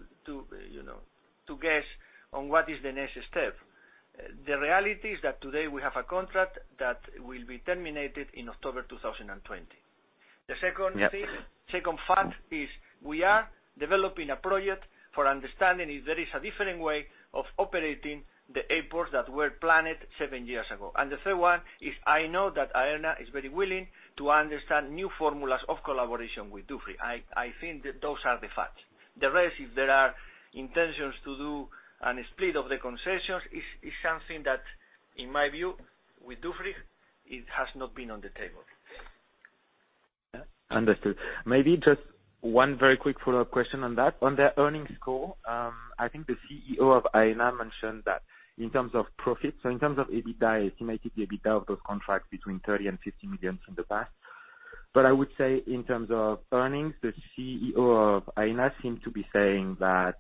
guess on what is the next step. The reality is that today we have a contract that will be terminated in October 2020. The second thing. Yeah Second fact is we are developing a project for understanding if there is a different way of operating the airports that were planned seven years ago. The third one is, I know that Aena is very willing to understand new formulas of collaboration with Dufry. I think that those are the facts. The rest, if there are intentions to do a split of the concessions, is something that, in my view, with Dufry, it has not been on the table. Understood. Maybe just one very quick follow-up question on that. On the earnings call, I think the CEO of Aena mentioned that in terms of profits, so in terms of EBITDA, estimated EBITDA of those contracts between 30 million and 50 million in the past. I would say in terms of earnings, the CEO of Aena seemed to be saying that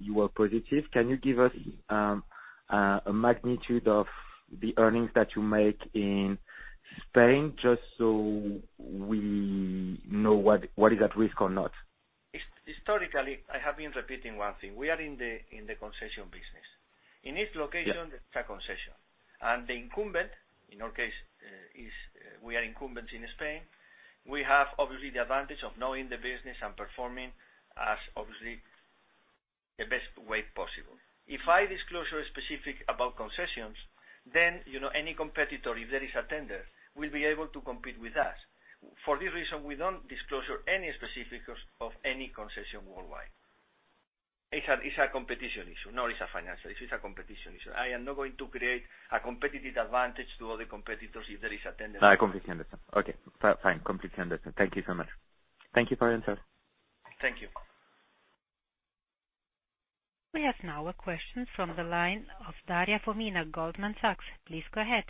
you were positive. Can you give us a magnitude of the earnings that you make in Spain just so we know what is at risk or not? Historically, I have been repeating one thing. We are in the concession business. In each location- Yeah there is a concession. The incumbent, in our case, we are incumbents in Spain. We have obviously the advantage of knowing the business and performing as obviously the best way possible. If I disclosure specific about concessions, then any competitor, if there is a tender, will be able to compete with us. For this reason, we don't disclosure any specifics of any concession worldwide. It's a competition issue, not it's a financial issue. It's a competition issue. I am not going to create a competitive advantage to other competitors if there is a tender. I completely understand. Okay. Fine. Completely understand. Thank you so much. Thank you for your answer. Thank you. We have now a question from the line of Daria Fomina, Goldman Sachs. Please go ahead.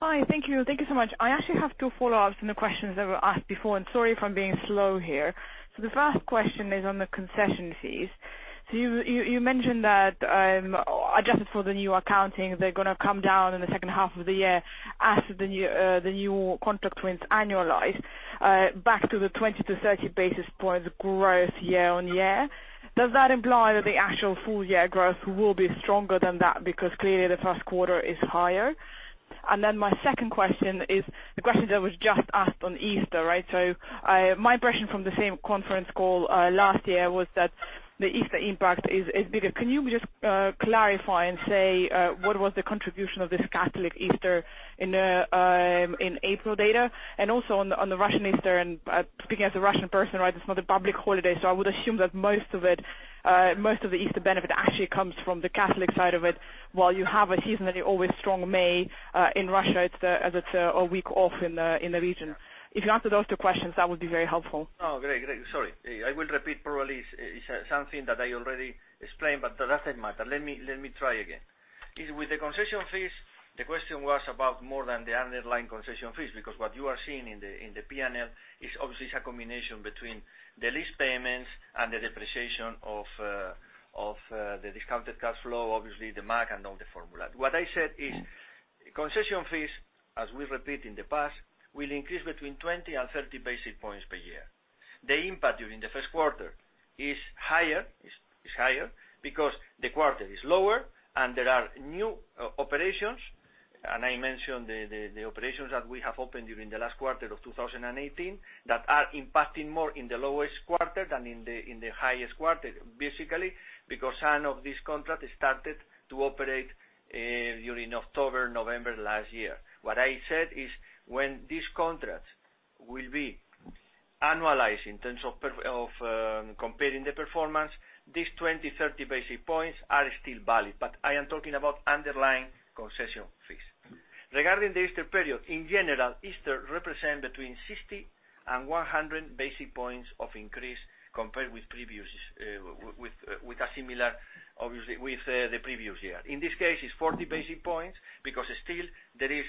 Hi. Thank you so much. I actually have two follow-ups from the questions that were asked before. Sorry if I'm being slow here. The first question is on the concession fees. You mentioned that, adjusted for the new accounting, they're going to come down in the second half of the year as the new contract wins annualize back to the 20-30 basis points growth year-on-year. Does that imply that the actual full year growth will be stronger than that? Because clearly the first quarter is higher. My second question is the question that was just asked on Easter, right? My impression from the same conference call last year was that the Easter impact is bigger. Can you just clarify and say what was the contribution of this Catholic Easter in April data? Also on the Russian Easter, speaking as a Russian person, right, it's not a public holiday. I would assume that most of the Easter benefit actually comes from the Catholic side of it, while you have a seasonally always strong May, in Russia, as it's a week off in the region. If you answer those two questions, that would be very helpful. Oh, great. Sorry. I will repeat probably something that I already explained, but that doesn't matter. Let me try again. With the concession fees, the question was about more than the underlying concession fees, because what you are seeing in the P&L is obviously a combination between the lease payments and the depreciation of the discounted cash flow, obviously, the MAG, and all the formula. What I said is concession fees, as we repeat in the past, will increase between 20 and 30 basic points per year. The impact during the first quarter is higher, because the quarter is lower and there are new operations, and I mentioned the operations that we have opened during the last quarter of 2018, that are impacting more in the lowest quarter than in the highest quarter, basically because some of these contracts started to operate during October, November last year. What I said is when these contracts will be annualized in terms of comparing the performance, these 20, 30 basic points are still valid, but I am talking about underlying concession fees. Regarding the Easter period, in general, Easter represent between 60 and 100 basic points of increase compared with the previous year. In this case, it's 40 basic points because still there is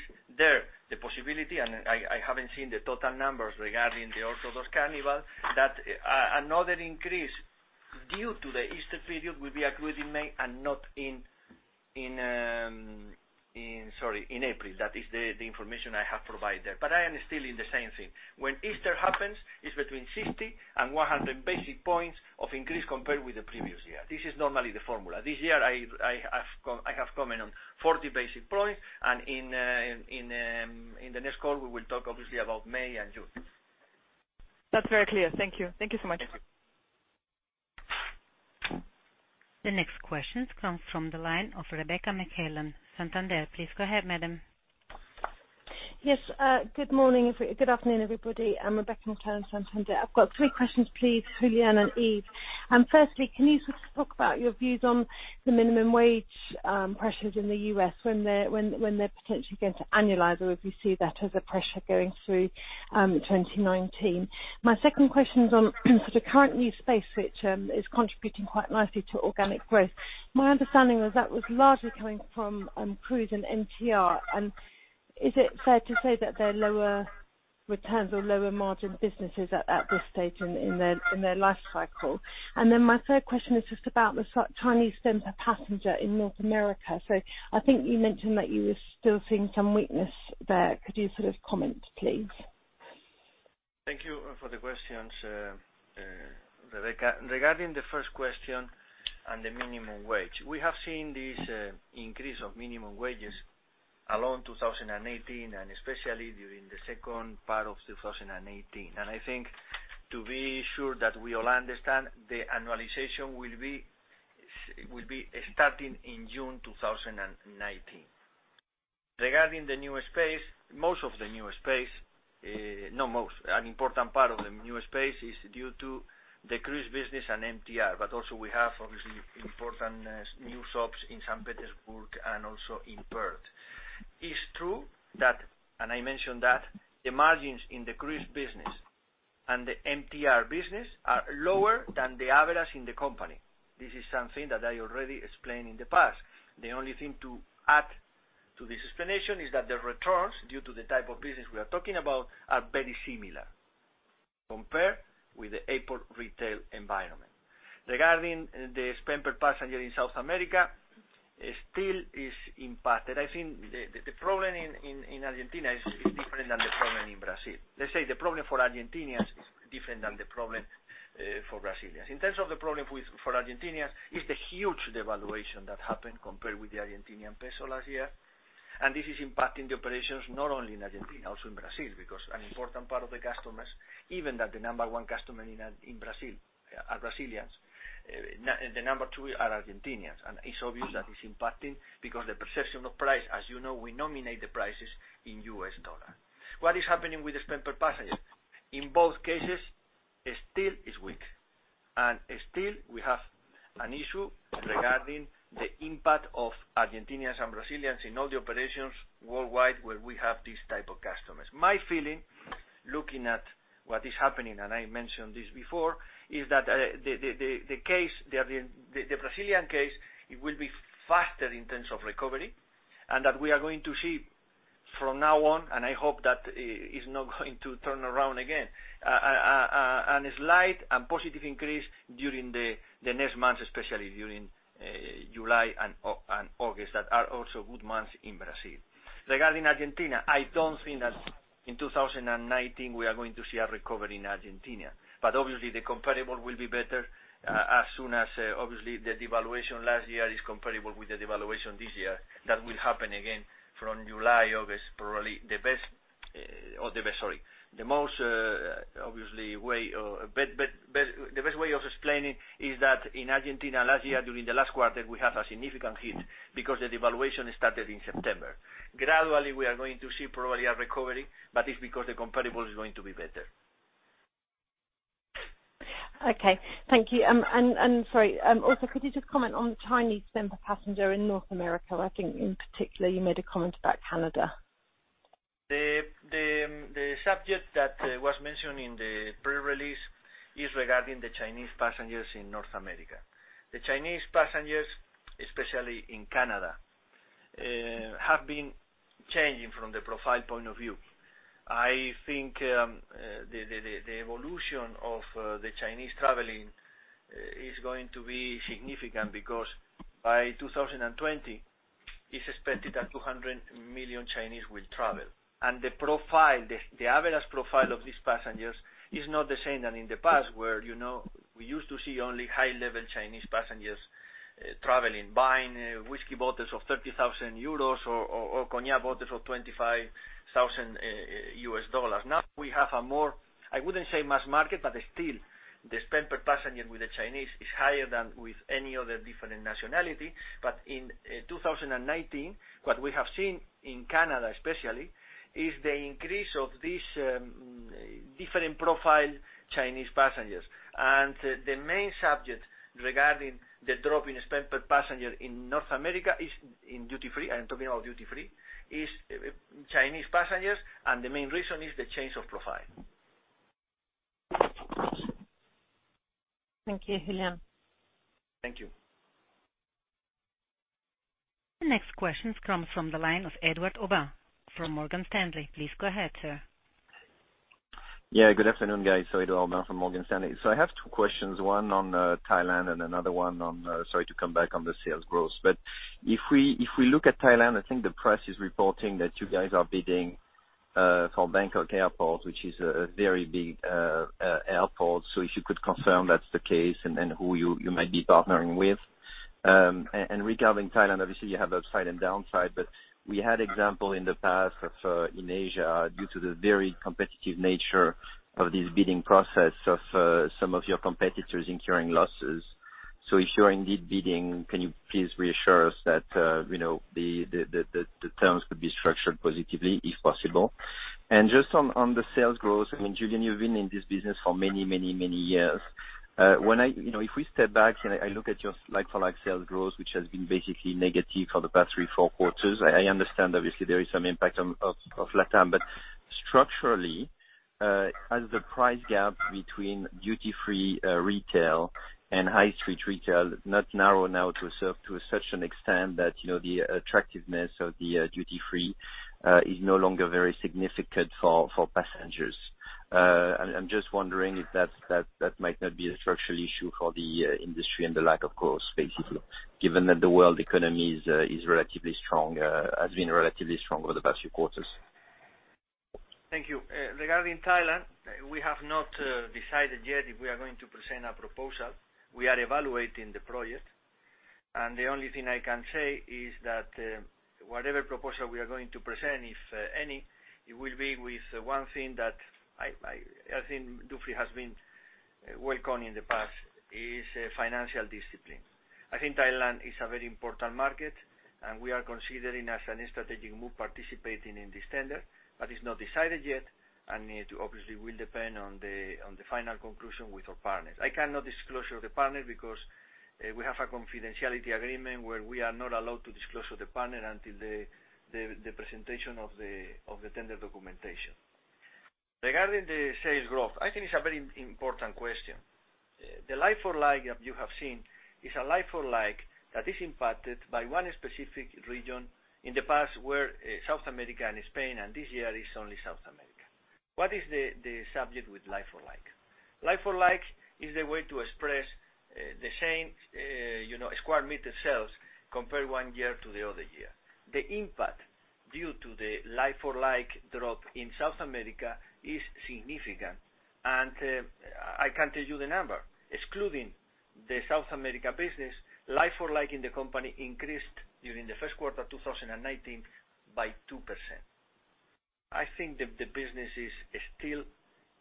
the possibility, and I haven't seen the total numbers regarding the Orthodox Easter, that another increase due to the Easter period will be accrued in May and not in April. That is the information I have provided there. I am still in the same thing. When Easter happens, it's between 60 and 100 basic points of increase compared with the previous year. This is normally the formula. This year, I have commented on 40 basic points, and in the next call, we will talk obviously about May and June. That's very clear. Thank you. Thank you so much. The next question comes from the line of Rebecca McClellan, Santander. Please go ahead, madam. Yes. Good afternoon, everybody. I'm Rebecca McClellan, Santander. I've got three questions, please, for Julián and Yves. Firstly, can you talk about your views on the minimum wage pressures in the U.S., when they're potentially going to annualize, or if you see that as a pressure going through 2019? My second question is on the current new space, which is contributing quite nicely to organic growth. My understanding was that was largely coming from cruise and MTR. Is it fair to say that they're lower returns or lower margin businesses at this stage in their life cycle? My third question is just about the Chinese spend per passenger in North America. I think you mentioned that you were still seeing some weakness there. Could you comment, please? Thank you for the questions, Rebecca. Regarding the first question on the minimum wage, we have seen this increase of minimum wages along 2018, especially during the second part of 2018. I think to be sure that we all understand, the annualization will be starting in June 2019. Regarding the new space, an important part of the new space is due to the cruise business and MTR, but also we have obviously important new shops in St. Petersburg and also in Perth. It's true that, and I mentioned that, the margins in the cruise business and the MTR business are lower than the average in the company. This is something that I already explained in the past. The only thing to add to this explanation is that the returns, due to the type of business we are talking about, are very similar compared with the airport retail environment. Regarding the spend per passenger in South America, it still is impacted. I think the problem in Argentina is different than the problem in Brazil. Let's say the problem for Argentinians is different than the problem for Brazilians. In terms of the problem for Argentina, it's the huge devaluation that happened compared with the Argentinian peso last year. This is impacting the operations not only in Argentina, also in Brazil, because an important part of the customers, even that the number 1 customer in Brazil are Brazilians, the number 2 are Argentinians. It's obvious that it's impacting because the perception of price, as you know, we nominate the prices in U.S. dollar. What is happening with the spend per passenger? In both cases, it still is weak. Still, we have an issue regarding the impact of Argentinians and Brazilians in all the operations worldwide where we have this type of customers. My feeling, looking at what is happening, and I mentioned this before, is that the Brazilian case, it will be faster in terms of recovery, and that we are going to see from now on, and I hope that it's not going to turn around again, a slight and positive increase during the next months, especially during July and August, that are also good months in Brazil. Obviously the comparable will be better, as soon as, obviously, the devaluation last year is comparable with the devaluation this year. That will happen again from July, August, probably. The best way of explaining is that in Argentina last year, during the last quarter, we had a significant hit because the devaluation started in September. Gradually, we are going to see probably a recovery, it's because the comparable is going to be better. Okay. Thank you. Sorry. Also, could you just comment on Chinese spend per passenger in North America? I think in particular you made a comment about Canada. The subject that was mentioned in the pre-release is regarding the Chinese passengers in North America. The Chinese passengers, especially in Canada, have been changing from the profile point of view. I think the evolution of the Chinese traveling is going to be significant because by 2020, it's expected that 200 million Chinese will travel. The average profile of these passengers is not the same than in the past, where we used to see only high-level Chinese passengers traveling, buying whiskey bottles of 30,000 euros or cognac bottles of $25,000. Now we have a more, I wouldn't say mass market, but still the spend per passenger with the Chinese is higher than with any other different nationality. In 2019, what we have seen in Canada, especially, is the increase of this different profile Chinese passengers. The main subject regarding the drop in spend per passenger in North America is in duty-free, I am talking about duty-free, is Chinese passengers, and the main reason is the change of profile. Thank you, Julián. Thank you. The next questions come from the line of Edouard Aubin from Morgan Stanley. Please go ahead, sir. Good afternoon, guys. Edouard Aubin from Morgan Stanley. I have two questions, one on Thailand and another one on, sorry to come back on the sales growth. If we look at Thailand, I think the press is reporting that you guys are bidding for Bangkok Airport, which is a very big airport. If you could confirm that's the case and then who you might be partnering with. Regarding Thailand, obviously you have upside and downside, but we had example in the past of, in Asia, due to the very competitive nature of this bidding process of some of your competitors incurring losses. If you are indeed bidding, can you please reassure us that the terms could be structured positively if possible? Just on the sales growth, I mean, Julián, you've been in this business for many, many, many years. If we step back and I look at your like-for-like sales growth, which has been basically negative for the past three, four quarters, I understand obviously there is some impact of Latam, but structurally, has the price gap between duty-free retail and high street retail not narrow now to such an extent that the attractiveness of the duty-free is no longer very significant for passengers? I'm just wondering if that might not be a structural issue for the industry and the lack of growth, basically, given that the world economy is relatively strong, has been relatively strong over the past few quarters. Thank you. Regarding Thailand, we have not decided yet if we are going to present a proposal. We are evaluating the project, the only thing I can say is that whatever proposal we are going to present, if any, it will be with one thing that I think Dufry has been working on in the past, is financial discipline. I think Thailand is a very important market, we are considering as a strategic move participating in this tender, but it's not decided yet and it obviously will depend on the final conclusion with our partners. I cannot disclose the partner because we have a confidentiality agreement where we are not allowed to disclose the partner until the presentation of the tender documentation. Regarding the sales growth, I think it's a very important question. The like-for-like that you have seen is a like-for-like that is impacted by one specific region in the past where South America and Spain, this year is only South America. What is the subject with like-for-like? Like-for-like is a way to express the same square meter sales compared one year to the other year. The impact due to the like-for-like drop in South America is significant, I can tell you the number. Excluding the South America business, like-for-like in the company increased during the first quarter 2019 by 2%. I think the business is still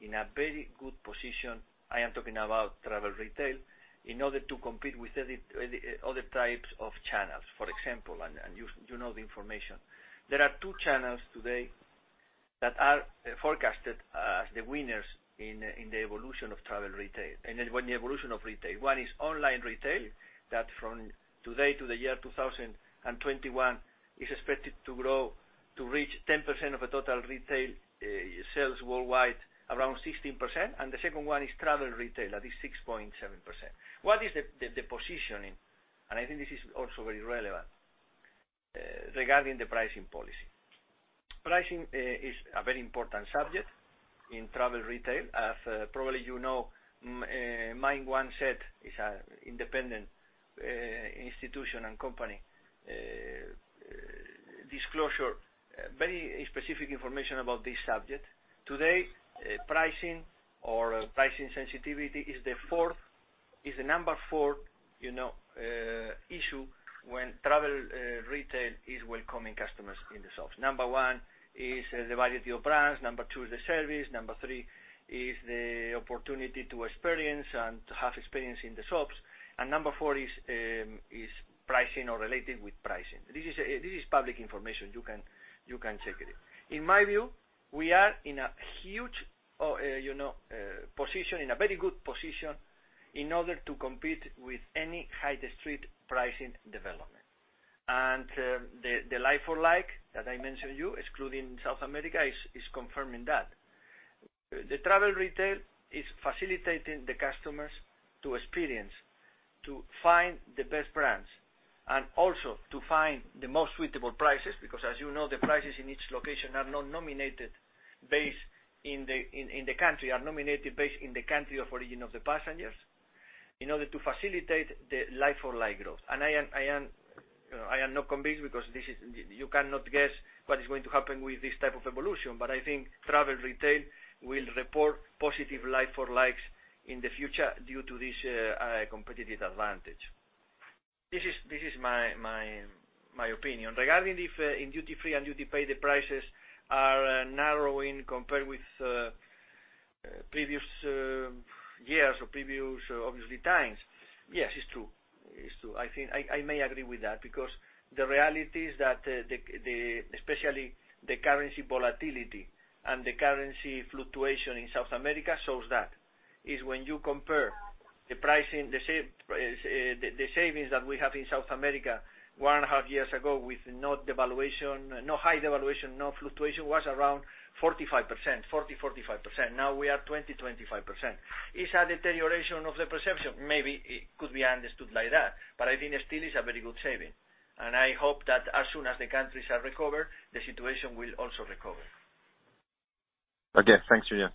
in a very good position, I am talking about travel retail, in order to compete with other types of channels. For example, you know the information. There are two channels today that are forecasted as the winners in the evolution of travel retail, in the evolution of retail. One is online retail, that from today to the year 2021 is expected to grow to reach 10% of the total retail sales worldwide, around 16%, and the second one is travel retail, that is 6.7%. What is the positioning? I think this is also very relevant regarding the pricing policy. Pricing is a very important subject in travel retail. As probably you know, m1nd-set is an independent institution and company disclosure, very specific information about this subject. Today, pricing or pricing sensitivity is the number 4 issue when travel retail is welcoming customers in the shops. Number 1 is the variety of brands, number 2 is the service, number 3 is the opportunity to experience and to have experience in the shops, and number 4 is pricing or related with pricing. This is public information. You can check it. In my view, we are in a huge position, in a very good position in order to compete with any high street pricing development. The like-for-like that I mentioned you, excluding South America, is confirming that. The travel retail is facilitating the customers to experience, to find the best brands, and also to find the most suitable prices, because as you know, the prices in each location are not nominated based in the country, are nominated based in the country of origin of the passengers, in order to facilitate the like-for-like growth. I am not convinced because you cannot guess what is going to happen with this type of evolution. I think travel retail will report positive like-for-likes in the future due to this competitive advantage. This is my opinion. Regarding if in duty-free and duty-paid, the prices are narrowing compared with previous years or previous, obviously, times. Yes, it's true. It's true. I may agree with that, because the reality is that, especially the currency volatility and the currency fluctuation in South America shows that. Is when you compare the savings that we have in South America one and a half years ago with no high devaluation, no fluctuation, was around 40%-45%. Now we are 20%-25%. It's a deterioration of the perception. Maybe it could be understood like that, but I think still it's a very good saving, and I hope that as soon as the countries have recovered, the situation will also recover. Okay. Thanks, Julián.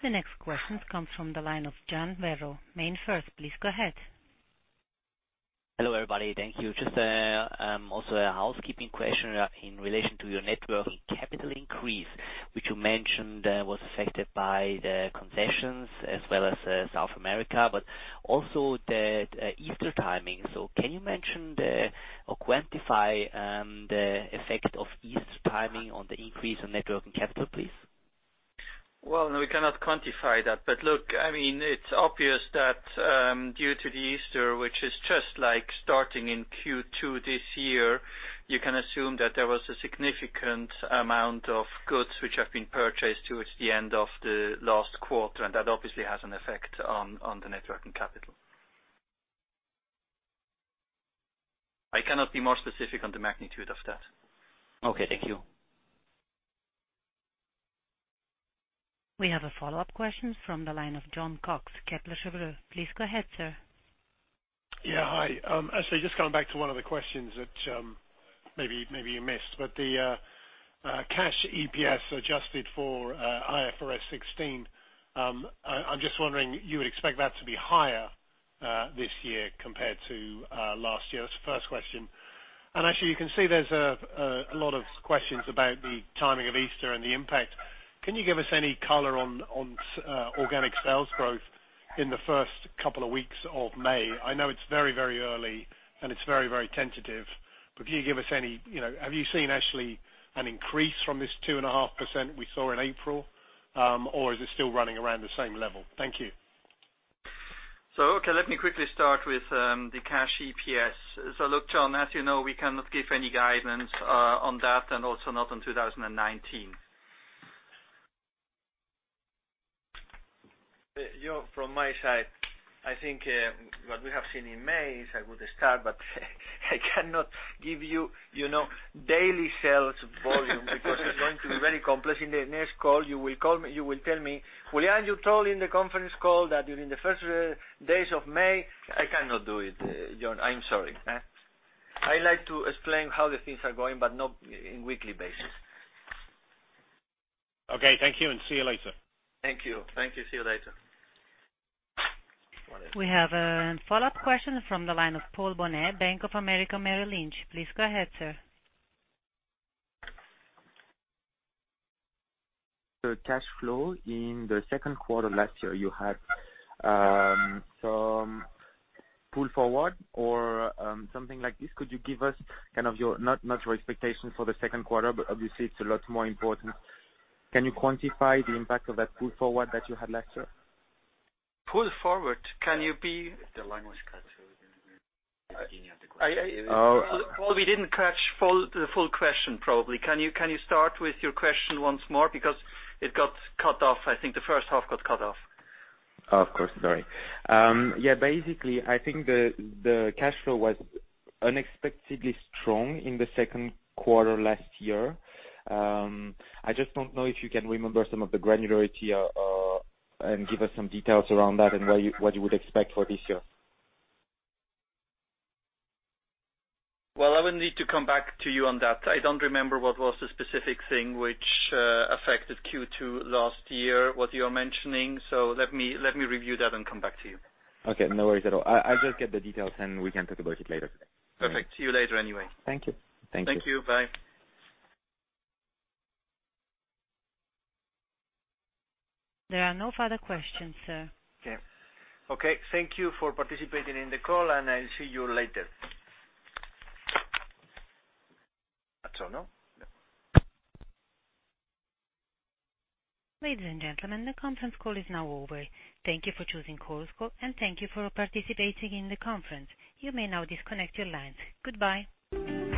The next question comes from the line of Jan Herbst, MainFirst. Please go ahead. Hello, everybody. Thank you. Just also a housekeeping question in relation to your net working capital increase, which you mentioned was affected by the concessions as well as South America, but also the Easter timing. Can you mention or quantify the effect of Easter timing on the increase in net working capital, please? Well, no, we cannot quantify that. Look, it's obvious that due to the Easter, which is just starting in Q2 this year, you can assume that there was a significant amount of goods which have been purchased towards the end of the last quarter, and that obviously has an effect on the net working capital. I cannot be more specific on the magnitude of that. Okay, thank you. We have a follow-up question from the line of Jon Cox, Kepler Cheuvreux. Please go ahead, sir. Yeah. Hi. Actually, just going back to one of the questions that maybe you missed, but the cash EPS adjusted for IFRS 16. I'm just wondering, you would expect that to be higher this year compared to last year. That's the first question. Actually, you can see there's a lot of questions about the timing of Easter and the impact. Can you give us any color on organic sales growth in the first couple of weeks of May? I know it's very early and it's very tentative, but have you seen actually an increase from this 2.5% we saw in April? Or is it still running around the same level? Thank you. Okay, let me quickly start with the cash EPS. Look, Jon, as you know, we cannot give any guidance on that and also not on 2019. From my side, I think what we have seen in May is I would start, but I cannot give you daily sales volume because it's going to be very complex. In the next call, you will tell me, "Julián, you told in the conference call that during the first days of May" I cannot do it, Jon. I'm sorry. I like to explain how the things are going, but not in weekly basis. Okay. Thank you, and see you later. Thank you. See you later. We have a follow-up question from the line of Paul Bonnet, Bank of America Merrill Lynch. Please go ahead, sir. The cash flow in the second quarter last year, you had some pull forward or something like this. Could you give us, not your expectations for the second quarter, but obviously it's a lot more important. Can you quantify the impact of that pull forward that you had last year? Pull forward. The line was cut at the beginning of the question. Oh. Paul, we didn't catch the full question, probably. Can you start with your question once more? It got cut off. I think the first half got cut off. Of course. Sorry. Yeah, basically, I think the cash flow was unexpectedly strong in the second quarter last year. I just don't know if you can remember some of the granularity and give us some details around that and what you would expect for this year. Well, I would need to come back to you on that. I don't remember what was the specific thing which affected Q2 last year, what you are mentioning. Let me review that and come back to you. Okay, no worries at all. I'll just get the details, and we can talk about it later today. Perfect. See you later, anyway. Thank you. Thank you. Bye. There are no further questions, sir. Okay. Thank you for participating in the call, and I'll see you later. That's all, no? Ladies and gentlemen, the conference call is now over. Thank you for choosing Chorus Call, and thank you for participating in the conference. You may now disconnect your lines. Goodbye.